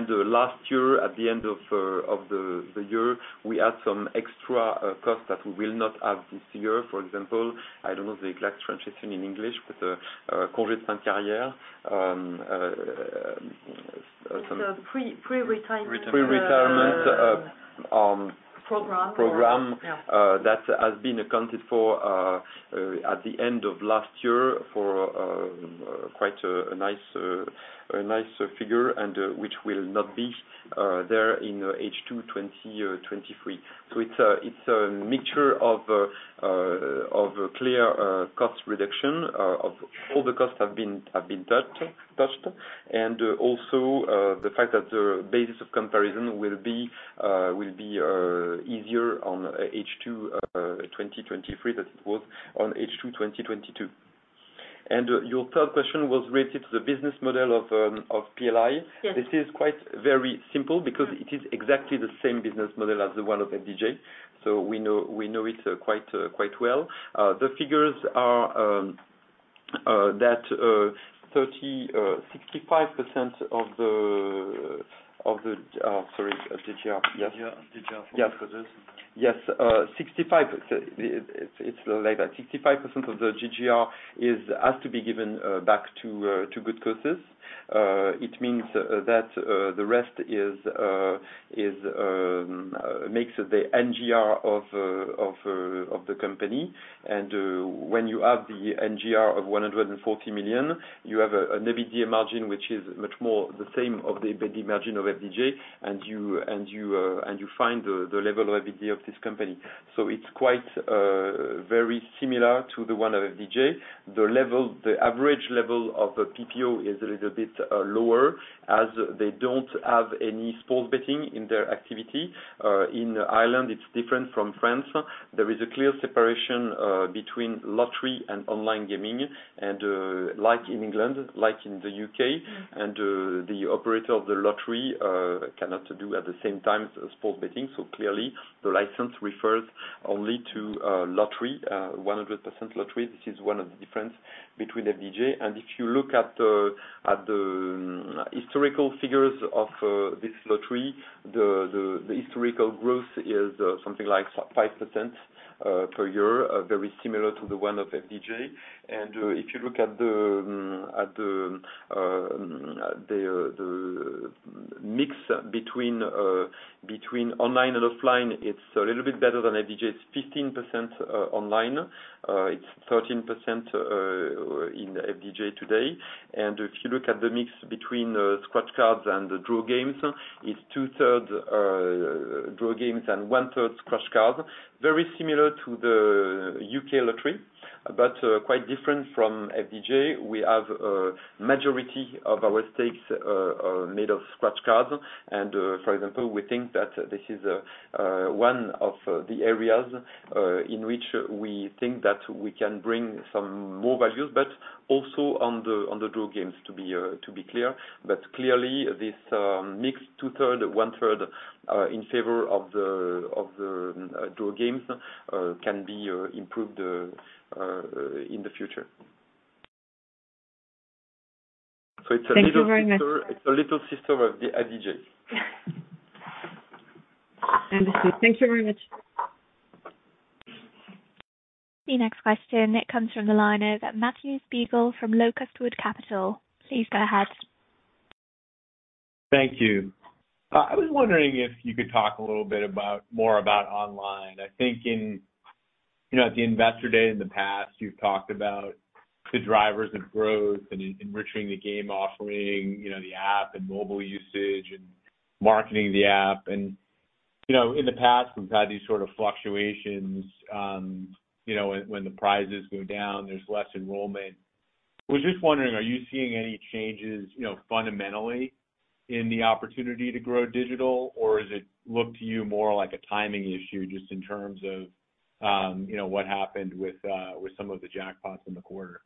Last year, at the end of the year, we had some extra costs that we will not have this year. For example, I don't know the exact translation in English, but It's pre-retirement. Pre-retirement. Program. Program. That has been accounted for at the end of last year, for quite a nice figure, which will not be there in H2 2023. It's a mixture of clear cost reduction, all the costs have been touched. Also, the fact that the basis of comparison will be easier on H2 2023 than it was on H2 2022. Your third question was related to the business model of PLI. Yes. This is quite very simple because it is exactly the same business model as the one of FDJ. We know it, quite, quite well. The figures are, that, 30%, 65% of the, sorry, GGR. Yes. 65%, it's like that, 65% of the GGR is, has to be given back to good causes. It means that the rest is makes the NGR of the company. When you have the NGR of 140 million, you have an EBITDA margin, which is much more the same of the EBITDA margin of FDJ. You find the level of EBITDA of this company. It's quite very similar to the one of FDJ. The level, the average level of the PPO is a little bit lower, as they don't have any sports betting in their activity. In Ireland, it's different from France. There is a clear separation, between lottery and online gaming, and, like in England, like in the U.K. The operator of the lottery cannot do at the same time sports betting. Clearly, the license refers only to lottery, 100% lottery. This is one of the difference between FDJ. If you look at the historical figures of this lottery, the historical growth is something like 5% per year. Very similar to the one of FDJ. If you look at the mix between online and offline, it's a little bit better than FDJ. It's 15% online. It's 13% in FDJ today. If you look at the mix between scratch cards and the draw games, it's two-third draw games and one-third scratch cards. Very similar to the UK lottery, but quite different from FDJ. We have majority of our stakes made of scratch cards. For example, we think that this is one of the areas in which we think that we can bring some more values, but also on the draw games, to be clear. Clearly this mixed two-third, one-third in favor of the draw games can be improved in the future. Thank you very much. It's a little sister of the FDJ. Understood. Thank you very much. The next question, it comes from the line of Matthew Spiegelman from Locust Wood Capital. Please go ahead. Thank you. I was wondering if you could talk a little bit about, more about online. I think in, you know, at the Investor Day, in the past, you've talked about the drivers of growth and enriching the game offering, you know, the app and mobile usage and marketing the app. You know, in the past, we've had these sort of fluctuations, you know, when the prizes go down, there's less enrollment. I was just wondering, are you seeing any changes, you know, fundamentally, in the opportunity to grow digital? Or does it look to you more like a timing issue, just in terms of, you know, what happened with some of the jackpots in the quarter?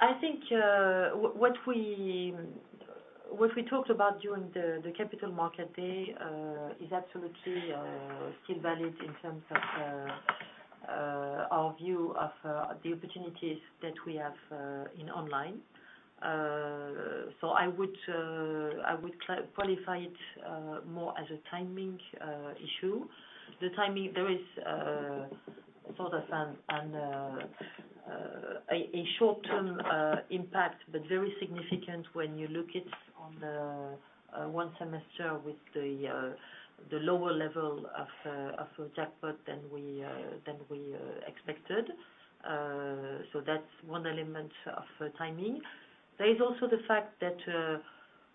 I think, what we, what we talked about during the, the Capital Market Day, is absolutely, still valid in terms of, our view of, the opportunities that we have, in online. So I would qualify it, more as a timing issue. The timing, there is, sort of an, and, a short-term, impact, but very significant when you look it on the, one semester with the lower level of jackpot than we, than we expected. So that's one element of timing. There is also the fact that,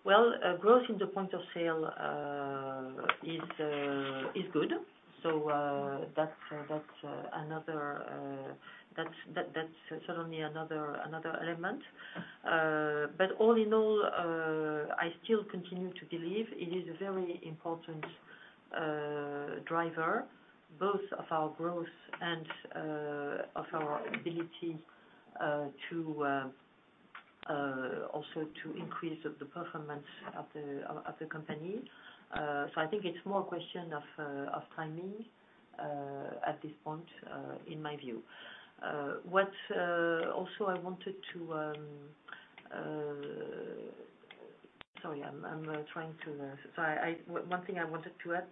well growth in the point of sale is good. So that's another that's certainly another, another element. All in all, I still continue to believe it is a very important driver, both of our growth and of our ability to also to increase of the performance of the company. I think it's more a question of timing at this point in my view. Also I wanted to. Sorry, I'm trying to, one thing I wanted to add,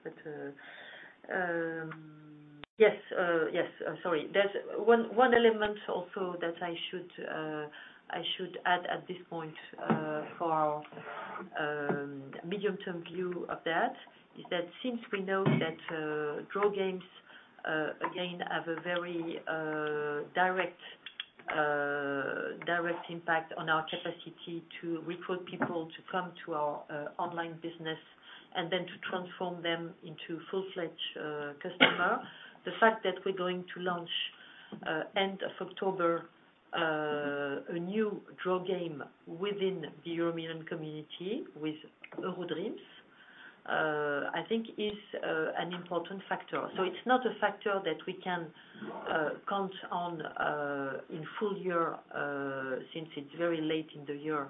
yes, yes. Sorry. There's one element also that I should add at this point for medium-term view of that, is that since we know that draw games again have a very direct impact on our capacity to recruit people to come to our online business, and then to transform them into full-fledged customer. The fact that we're going to launch end of October a new draw game within the EuroMillions community with EuroDreams, I think is an important factor. It's not a factor that we can count on in full year since it's very late in the year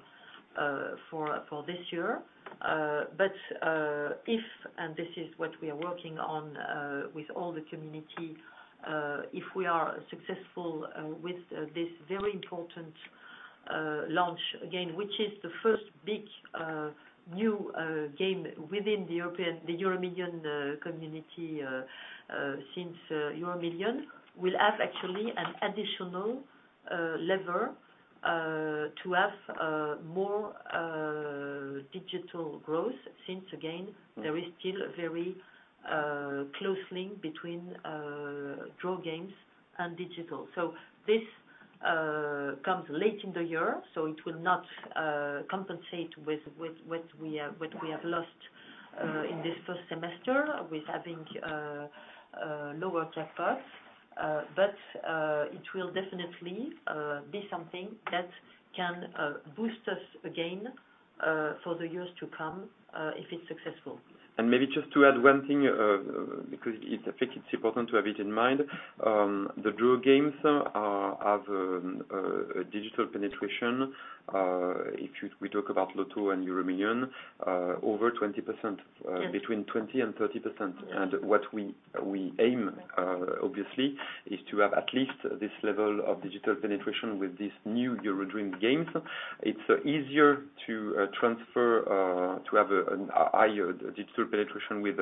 for this year. If, and this is what we are working on with all the EuroMillions community, if we are successful with this very important launch, again, which is the first big new game within the EuroMillions community since EuroMillions, will actually have an additional lever to have more digital growth. Since again, there is still a very close link between draw games and digital. This comes late in the year, so it will not compensate with what we have lost in this first semester with having lower jackpot. But it will definitely be something that can boost us again for the years to come if it's successful. Maybe just to add one thing, because it, I think it's important to have it in mind. The draw games have a digital penetration, if we talk about Loto and EuroMillions, over 20%, between 20 and 30%. What we aim, obviously, is to have at least this level of digital penetration with this new EuroDreams games. It's easier to transfer to have a an higher digital penetration with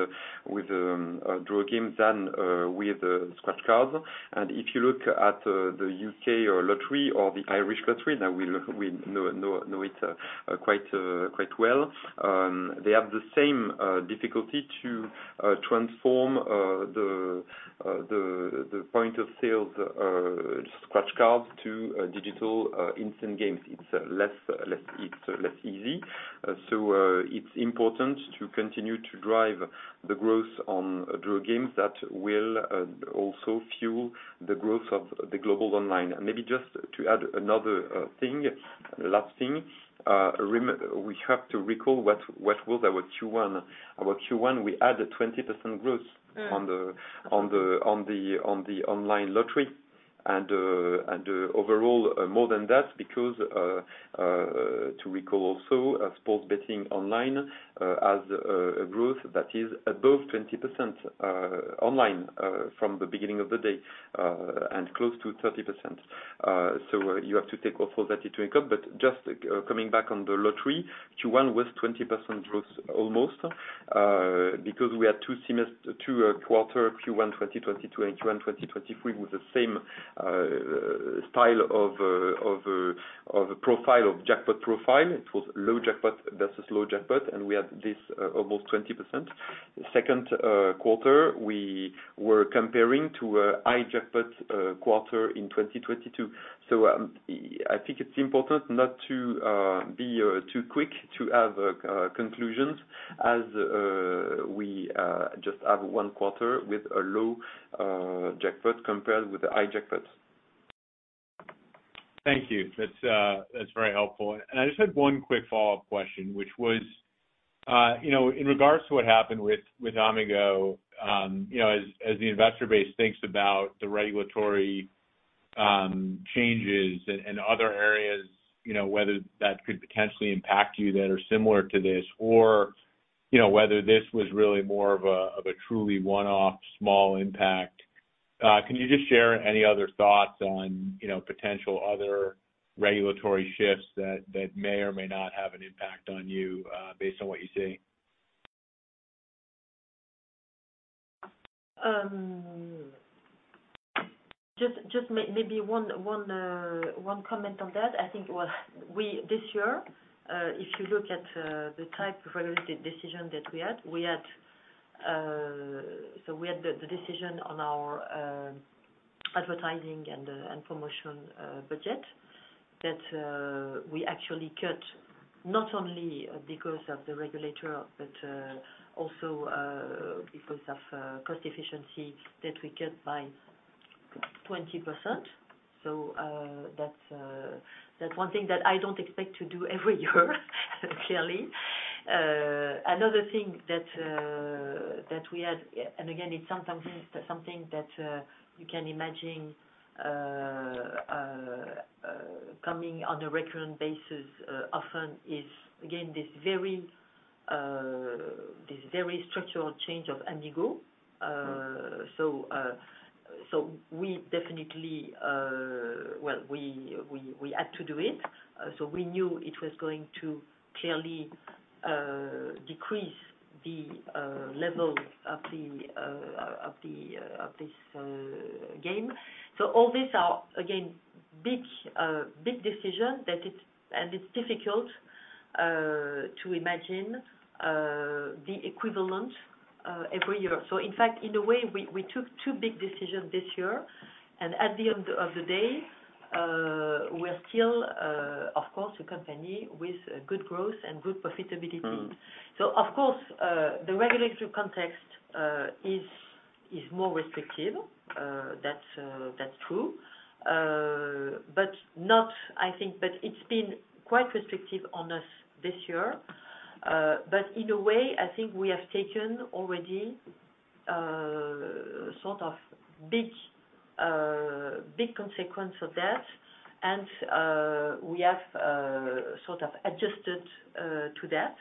with a draw game than with scratch cards. If you look at the UK or lottery, or the Irish lottery, now we know it quite well. They have the same difficulty to transform the point of sale scratch cards to digital instant games. It's less easy. It's important to continue to drive the growth on draw games that will also fuel the growth of the global online. Maybe just to add another thing, last thing. We have to recall what was our Q1. Our Q1, we added 20% growth on the online lottery. Overall, more than that, because to recall also sports betting online has a growth that is above 20% online from the beginning of the day and close to 30%. You have to take also that into account. Just coming back on the lottery, Q1 was 20% growth almost because we had two quarter, Q1 2022 and Q1 2023, with the same style of a profile, of jackpot profile. It was low jackpot versus low jackpot, and we had this almost 20%. Second quarter, we were comparing to a high jackpot quarter in 2022. I think it's important not to be too quick to have conclusions as we just have 1 quarter with a low jackpot compared with the high jackpots. Thank you. That's very helpful. I just had 1 quick follow-up question, which was, you know, in regards to what happened with Amigo, you know, as the investor base thinks about the regulatory changes in other areas, you know, whether that could potentially impact you that are similar to this, or, you know, whether this was really more of a truly one-off small impact. Can you just share any other thoughts on, you know, potential other regulatory shifts that may or may not have an impact on you, based on what you see? Just maybe one comment on that. I think, well, this year, if you look at the type of regulatory decision that we had, we had the decision on our advertising and promotion budget that we actually cut, not only because of the regulator, but also because of cost efficiency that we cut by 20%. That's one thing that I don't expect to do every year, clearly. Another thing that we had, and again, it's something that you can imagine coming on a recurrent basis often is, again, this very structural change of Amigo. We definitely, well, we had to do it, so we knew it was going to clearly decrease the level of the game. All these are, again, big decisions and it's difficult to imagine the equivalent every year. In fact, in a way, we took two big decisions this year, and at the end of the day, we're still, of course, a company with good growth and good profitability. Of course, the regulatory context is more restrictive. That's true. But not, I think it's been quite restrictive on us this year. But in a way, I think we have taken already sort of big consequence of that. We have sort of adjusted to that,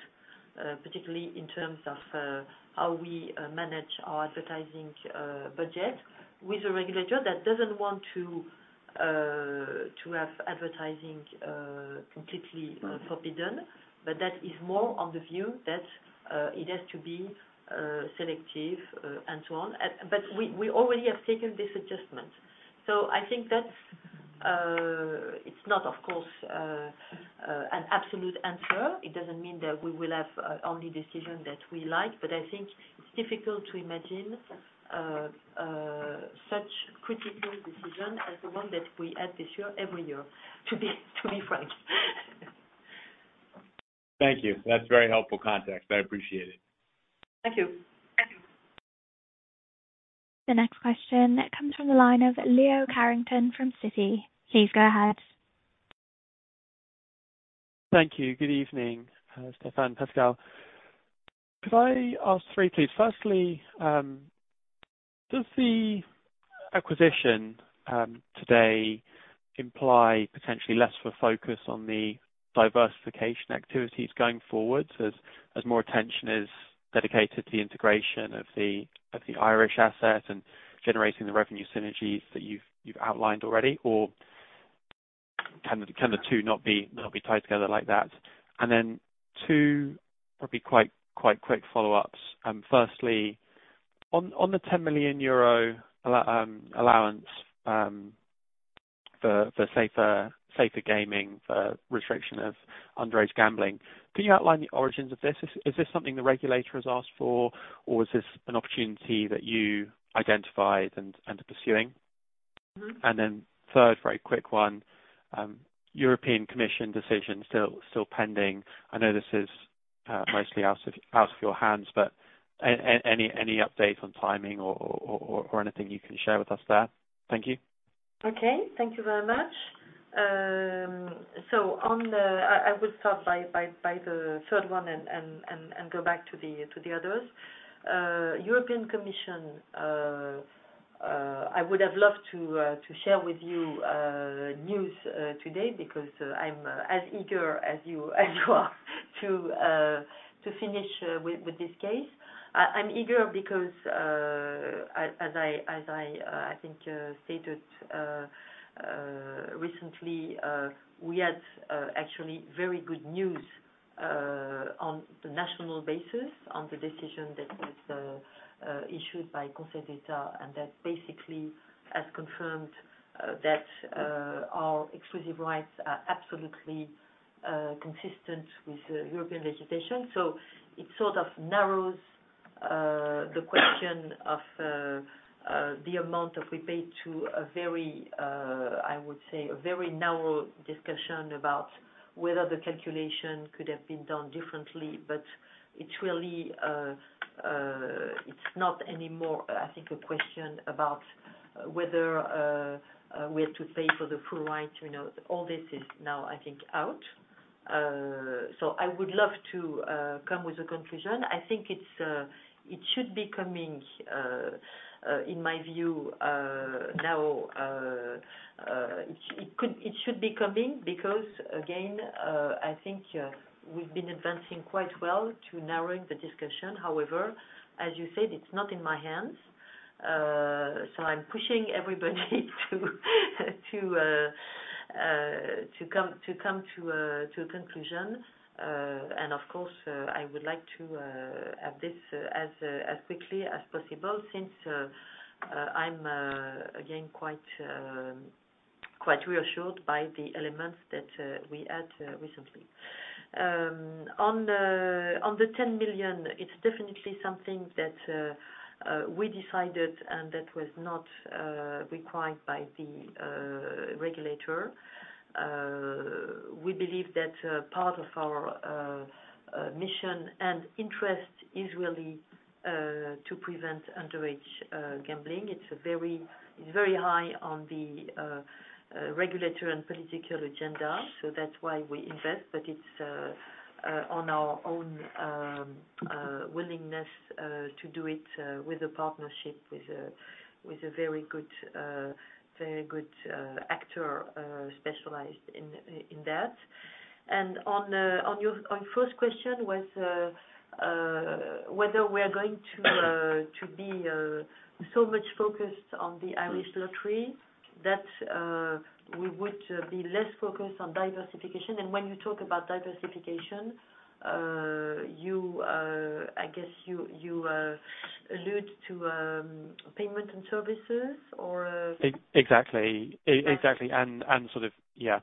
particularly in terms of how we manage our advertising budget with a regulator that doesn't want to have advertising completely forbidden. But that is more on the view that it has to be selective and so on. But we already have taken this adjustment. I think that's not, of course, an absolute answer. It doesn't mean that we will have only decisions that we like, but I think it's difficult to imagine such critical decision as the one that we had this year, every year, to be frank. Thank you. That's very helpful context. I appreciate it. Thank you. The next question comes from the line of Leo Carrington from Citi. Please go ahead. Thank you. Good evening, Stéphane, Pascal. Could I ask 3, please? Firstly, does the acquisition today imply potentially less of a focus on the diversification activities going forward as more attention is dedicated to the integration of the Irish asset and generating the revenue synergies that you've outlined already? Can the two not be tied together like that? 2, probably quite quick follow-ups. Firstly, on the 10 million euro allowance for safer gaming, for restriction of underage gambling, can you outline the origins of this? Is this something the regulator has asked for, or is this an opportunity that you identified and are pursuing? Third, very quick one, European Commission decision still pending. I know this is mostly out of your hands, but any update on timing or anything you can share with us there? Thank you. Okay. Thank you very much. I will start by the third one and go back to the others. European Commission, I would have loved to share with you news today, because I'm as eager as you are to finish with this case. I'm eager because as I think stated recently, we had actually very good news on the national basis, on the decision that was issued by Conseil d'État, and that basically has confirmed that our exclusive rights are absolutely consistent with European legislation. It sort of narrows the question of the amount that we pay to a very, I would say, a very narrow discussion about whether the calculation could have been done differently, but it really, it's not anymore, I think, a question about whether we have to pay for the full right. You know, all this is now, I think, out. I would love to come with a conclusion. I think it's, it should be coming, in my view, now, it should be coming because, again, I think, we've been advancing quite well to narrowing the discussion. However, as you said, it's not in my hands. I'm pushing everybody to come to a conclusion. Of course, I would like to have this as quickly as possible since I'm again quite reassured by the elements that we had recently. On the, on the 10 million, it's definitely something that we decided and that was not required by the regulator. We believe that part of our mission and interest is really to prevent underage gambling. It's very high on the regulatory and political agenda, so that's why we invest. It's on our own willingness to do it with a partnership with a very good actor specialized in that. On first question was whether we are going to be so much focused on the Irish Lottery, that we would be less focused on diversification. When you talk about diversification, you I guess you allude to payment and services, or. Exactly. Sort of, yeah.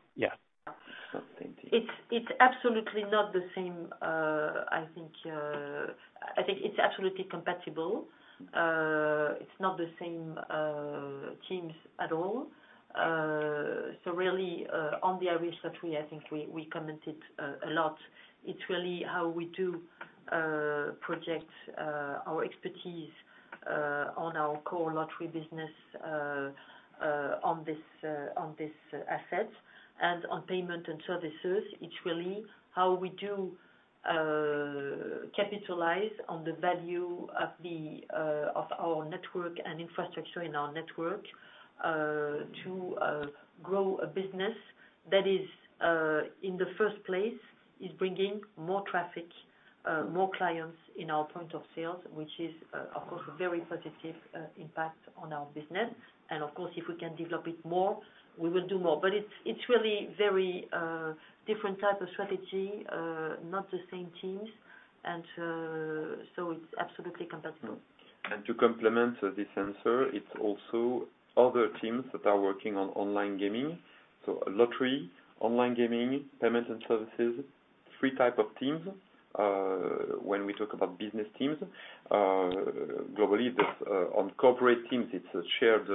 It's absolutely not the same. I think it's absolutely compatible. It's not the same teams at all. Really, on the Irish Lottery, I think we commented a lot. It's really how we do project our expertise on our core lottery business on this asset. On payment and services, it's really how we do capitalize on the value of the of our network and infrastructure in our network to grow a business that is in the first place, is bringing more traffic, more clients in our point of sales, which is of course, a very positive impact on our business. Of course, if we can develop it more, we will do more. It's really very different type of strategy, not the same teams. So it's absolutely compatible. To complement this answer, it's also other teams that are working on online gaming. Lottery, online gaming, payments and services, three type of teams. When we talk about business teams, globally, that's on corporate teams, it's shared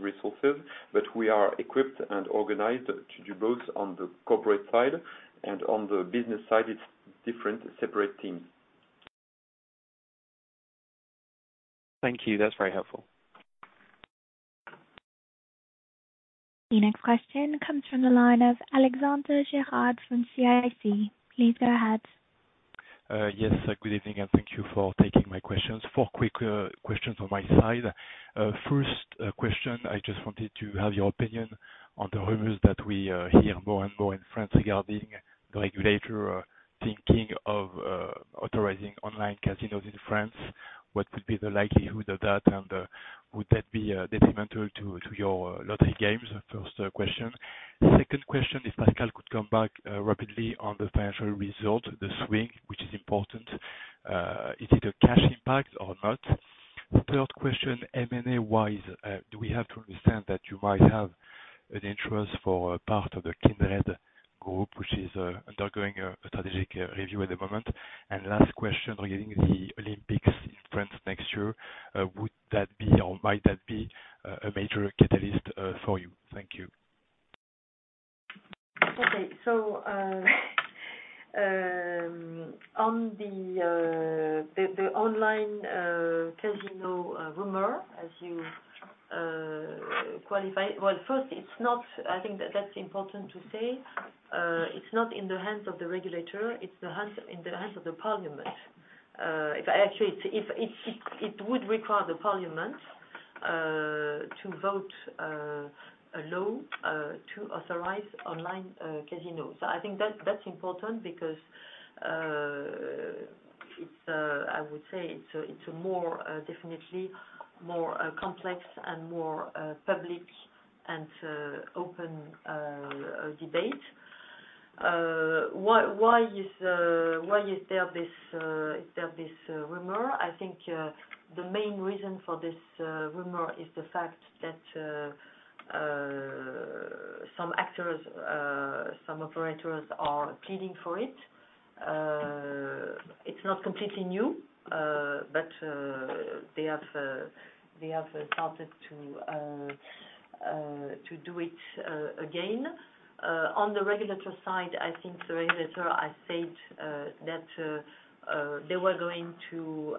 resources, but we are equipped and organized to do both on the corporate side and on the business side, it's different, separate teams. Thank you. That's very helpful. The next question comes from the line of Alexandre Gérard from CIC. Please go ahead. Yes, good evening, and thank you for taking my questions. Four quick questions on my side. First question, I just wanted to have your opinion on the rumors that we hear more and more in France regarding the regulator thinking of authorizing online casinos in France. What could be the likelihood of that? And would that be detrimental to your lottery games? First question. Second question, if Pascal could come back rapidly on the financial result, the swing, which is important, is it a cash impact or not? Third question, M&A-wise, do we have to understand that you might have an interest for a part of the Kindred Group, which is undergoing a strategic review at the moment? Last question, regarding the Olympics in France next year, would that be, or might that be, a major catalyst, for you? Thank you. Okay. On the online casino rumor, as you qualify. First, it's not, I think that's important to say, it's not in the hands of the regulator, it's in the hands of the parliament. Actually, it's, it's, it, it would require the parliament to vote a law to authorize online casinos. I think that's important because it's, I would say, a more, definitely more complex and more public and open debate. Why is there this rumor? I think the main reason for this rumor is the fact that some actors, some operators are pleading for it. It's not completely new, but they have started to do it again. On the regulatory side, I think the regulator, I said that they were going to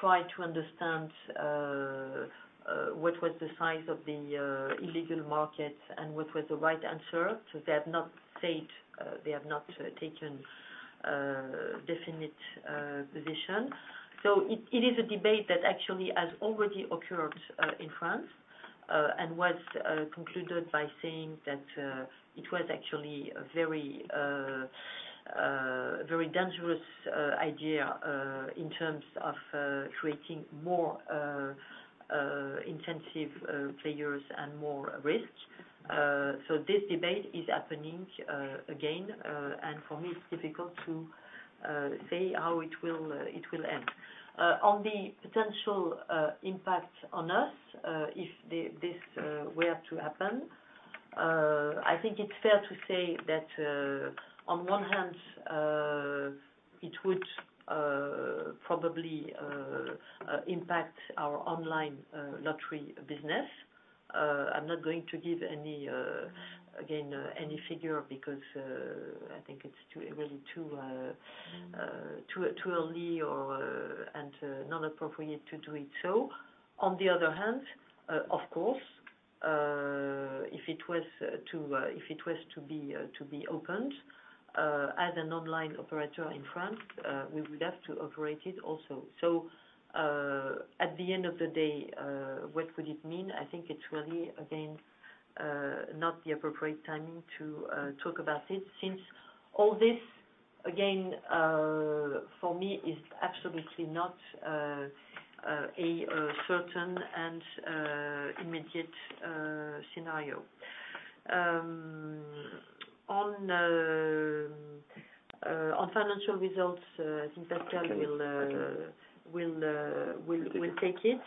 try to understand what was the size of the illegal market and what was the right answer. They have not said, they have not taken definite position. It is a debate that actually has already occurred in France and was concluded by saying that it was actually a very, very dangerous idea in terms of creating more intensive players and more risks. This debate is happening again, and for me, it's difficult to say how it will end. On the potential impact on us, if this were to happen, I think it's fair to say that on one hand, it would probably impact our online lottery business. I'm not going to give any again any figure because I think it's too, really too early or and not appropriate to do it. On the other hand, of course, if it was to be opened as an online operator in France, we would have to operate it also. At the end of the day, what would it mean? I think it's really, again, not the appropriate timing to talk about it, since all this, again, for me, is absolutely not a certain and immediate scenario. On financial results, I think Pascal will take it.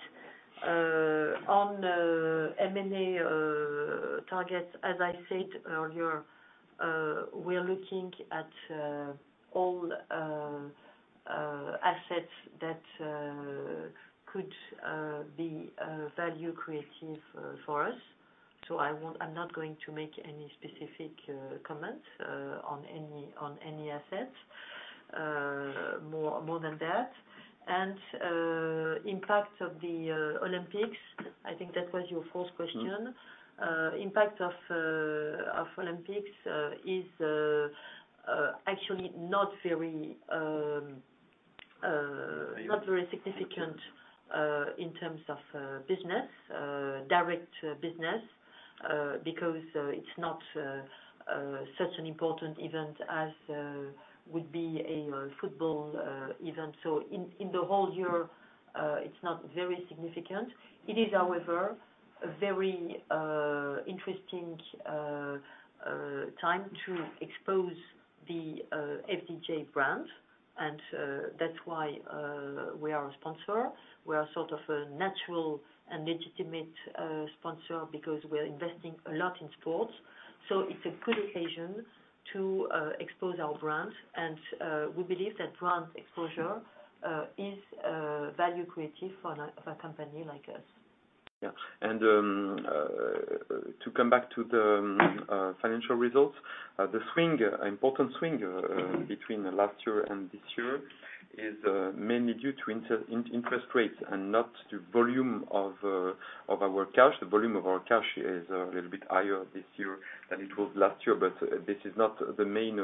On M&A targets, as I said earlier, we are looking at all assets that could be value creative for us. I'm not going to make any specific comments on any assets more than that. Impact of the Olympics, I think that was your fourth question. Impact of Olympics is actually not very not very significant in terms of business, direct business, because it's not such an important event as would be a football event. In the whole year, it's not very significant. It is, however, a very interesting time to expose the FDJ brand, and that's why we are a sponsor. We are sort of a natural and legitimate sponsor, because we are investing a lot in sports, so it's a good occasion to expose our brand. We believe that brand exposure is value creative for a company like us. Yeah. To come back to the financial results, the swing, important swing, between the last year and this year is mainly due to interest rates and not the volume of our cash. The volume of our cash is a little bit higher this year than it was last year, but this is not the main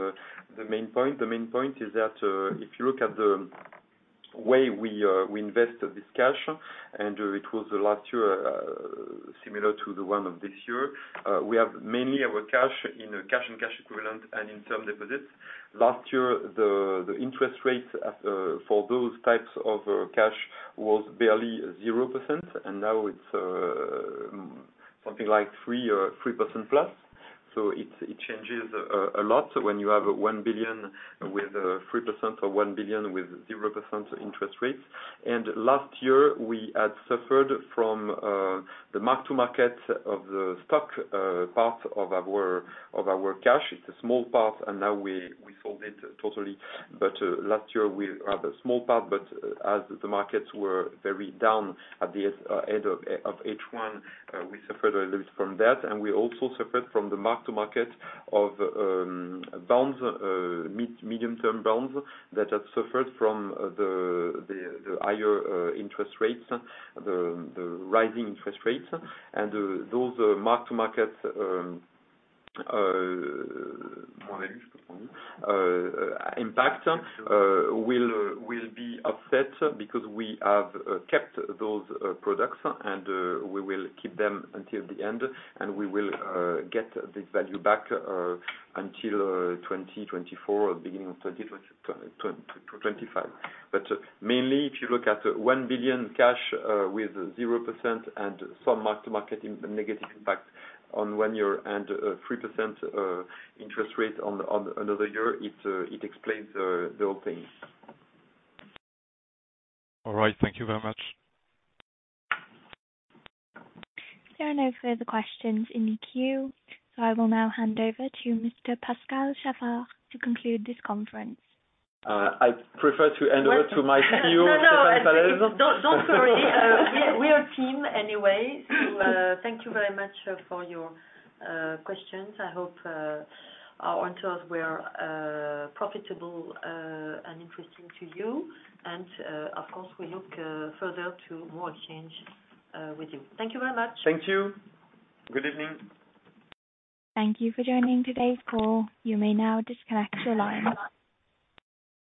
point. The main point is that if you look at the way we invest this cash, and it was the last year, similar to the one of this year, we have mainly our cash in a cash and cash equivalent and in term deposits. Last year, the interest rates for those types of cash was barely 0%, and now it's something like 3%+. It changes a lot when you have 1 billion with 3% or 1 billion with 0% interest rates. Last year, we had suffered from the mark-to-market of the stock part of our cash. It's a small part, and now we sold it totally. Last year we had a small part, but as the markets were very down at the end, end of H1, we suffered a little from that, and we also suffered from the mark-to-market of bonds, mid-medium-term bonds that had suffered from the higher interest rates, the rising interest rates. Those mark-to-market impact will be upset because we have kept those products and we will keep them until the end, and we will get this value back until 2024 or beginning of 2025. Mainly, if you look at 1 billion cash with 0% and some mark-to-market negative impact on 1 year and 3% interest rate on another year, it explains the whole thing. All right. Thank you very much. There are no further questions in the queue, so I will now hand over to Mr. Pascal Chaffard, to conclude this conference. I prefer to hand over to my CEO, Stéphane Pallez. No, don't worry. We are a team anyway. Thank you very much for your questions. I hope our answers were profitable and interesting to you. Of course, we look further to more exchange with you. Thank you very much. Thank you. Good evening. Thank you for joining today's call. You may now disconnect your line.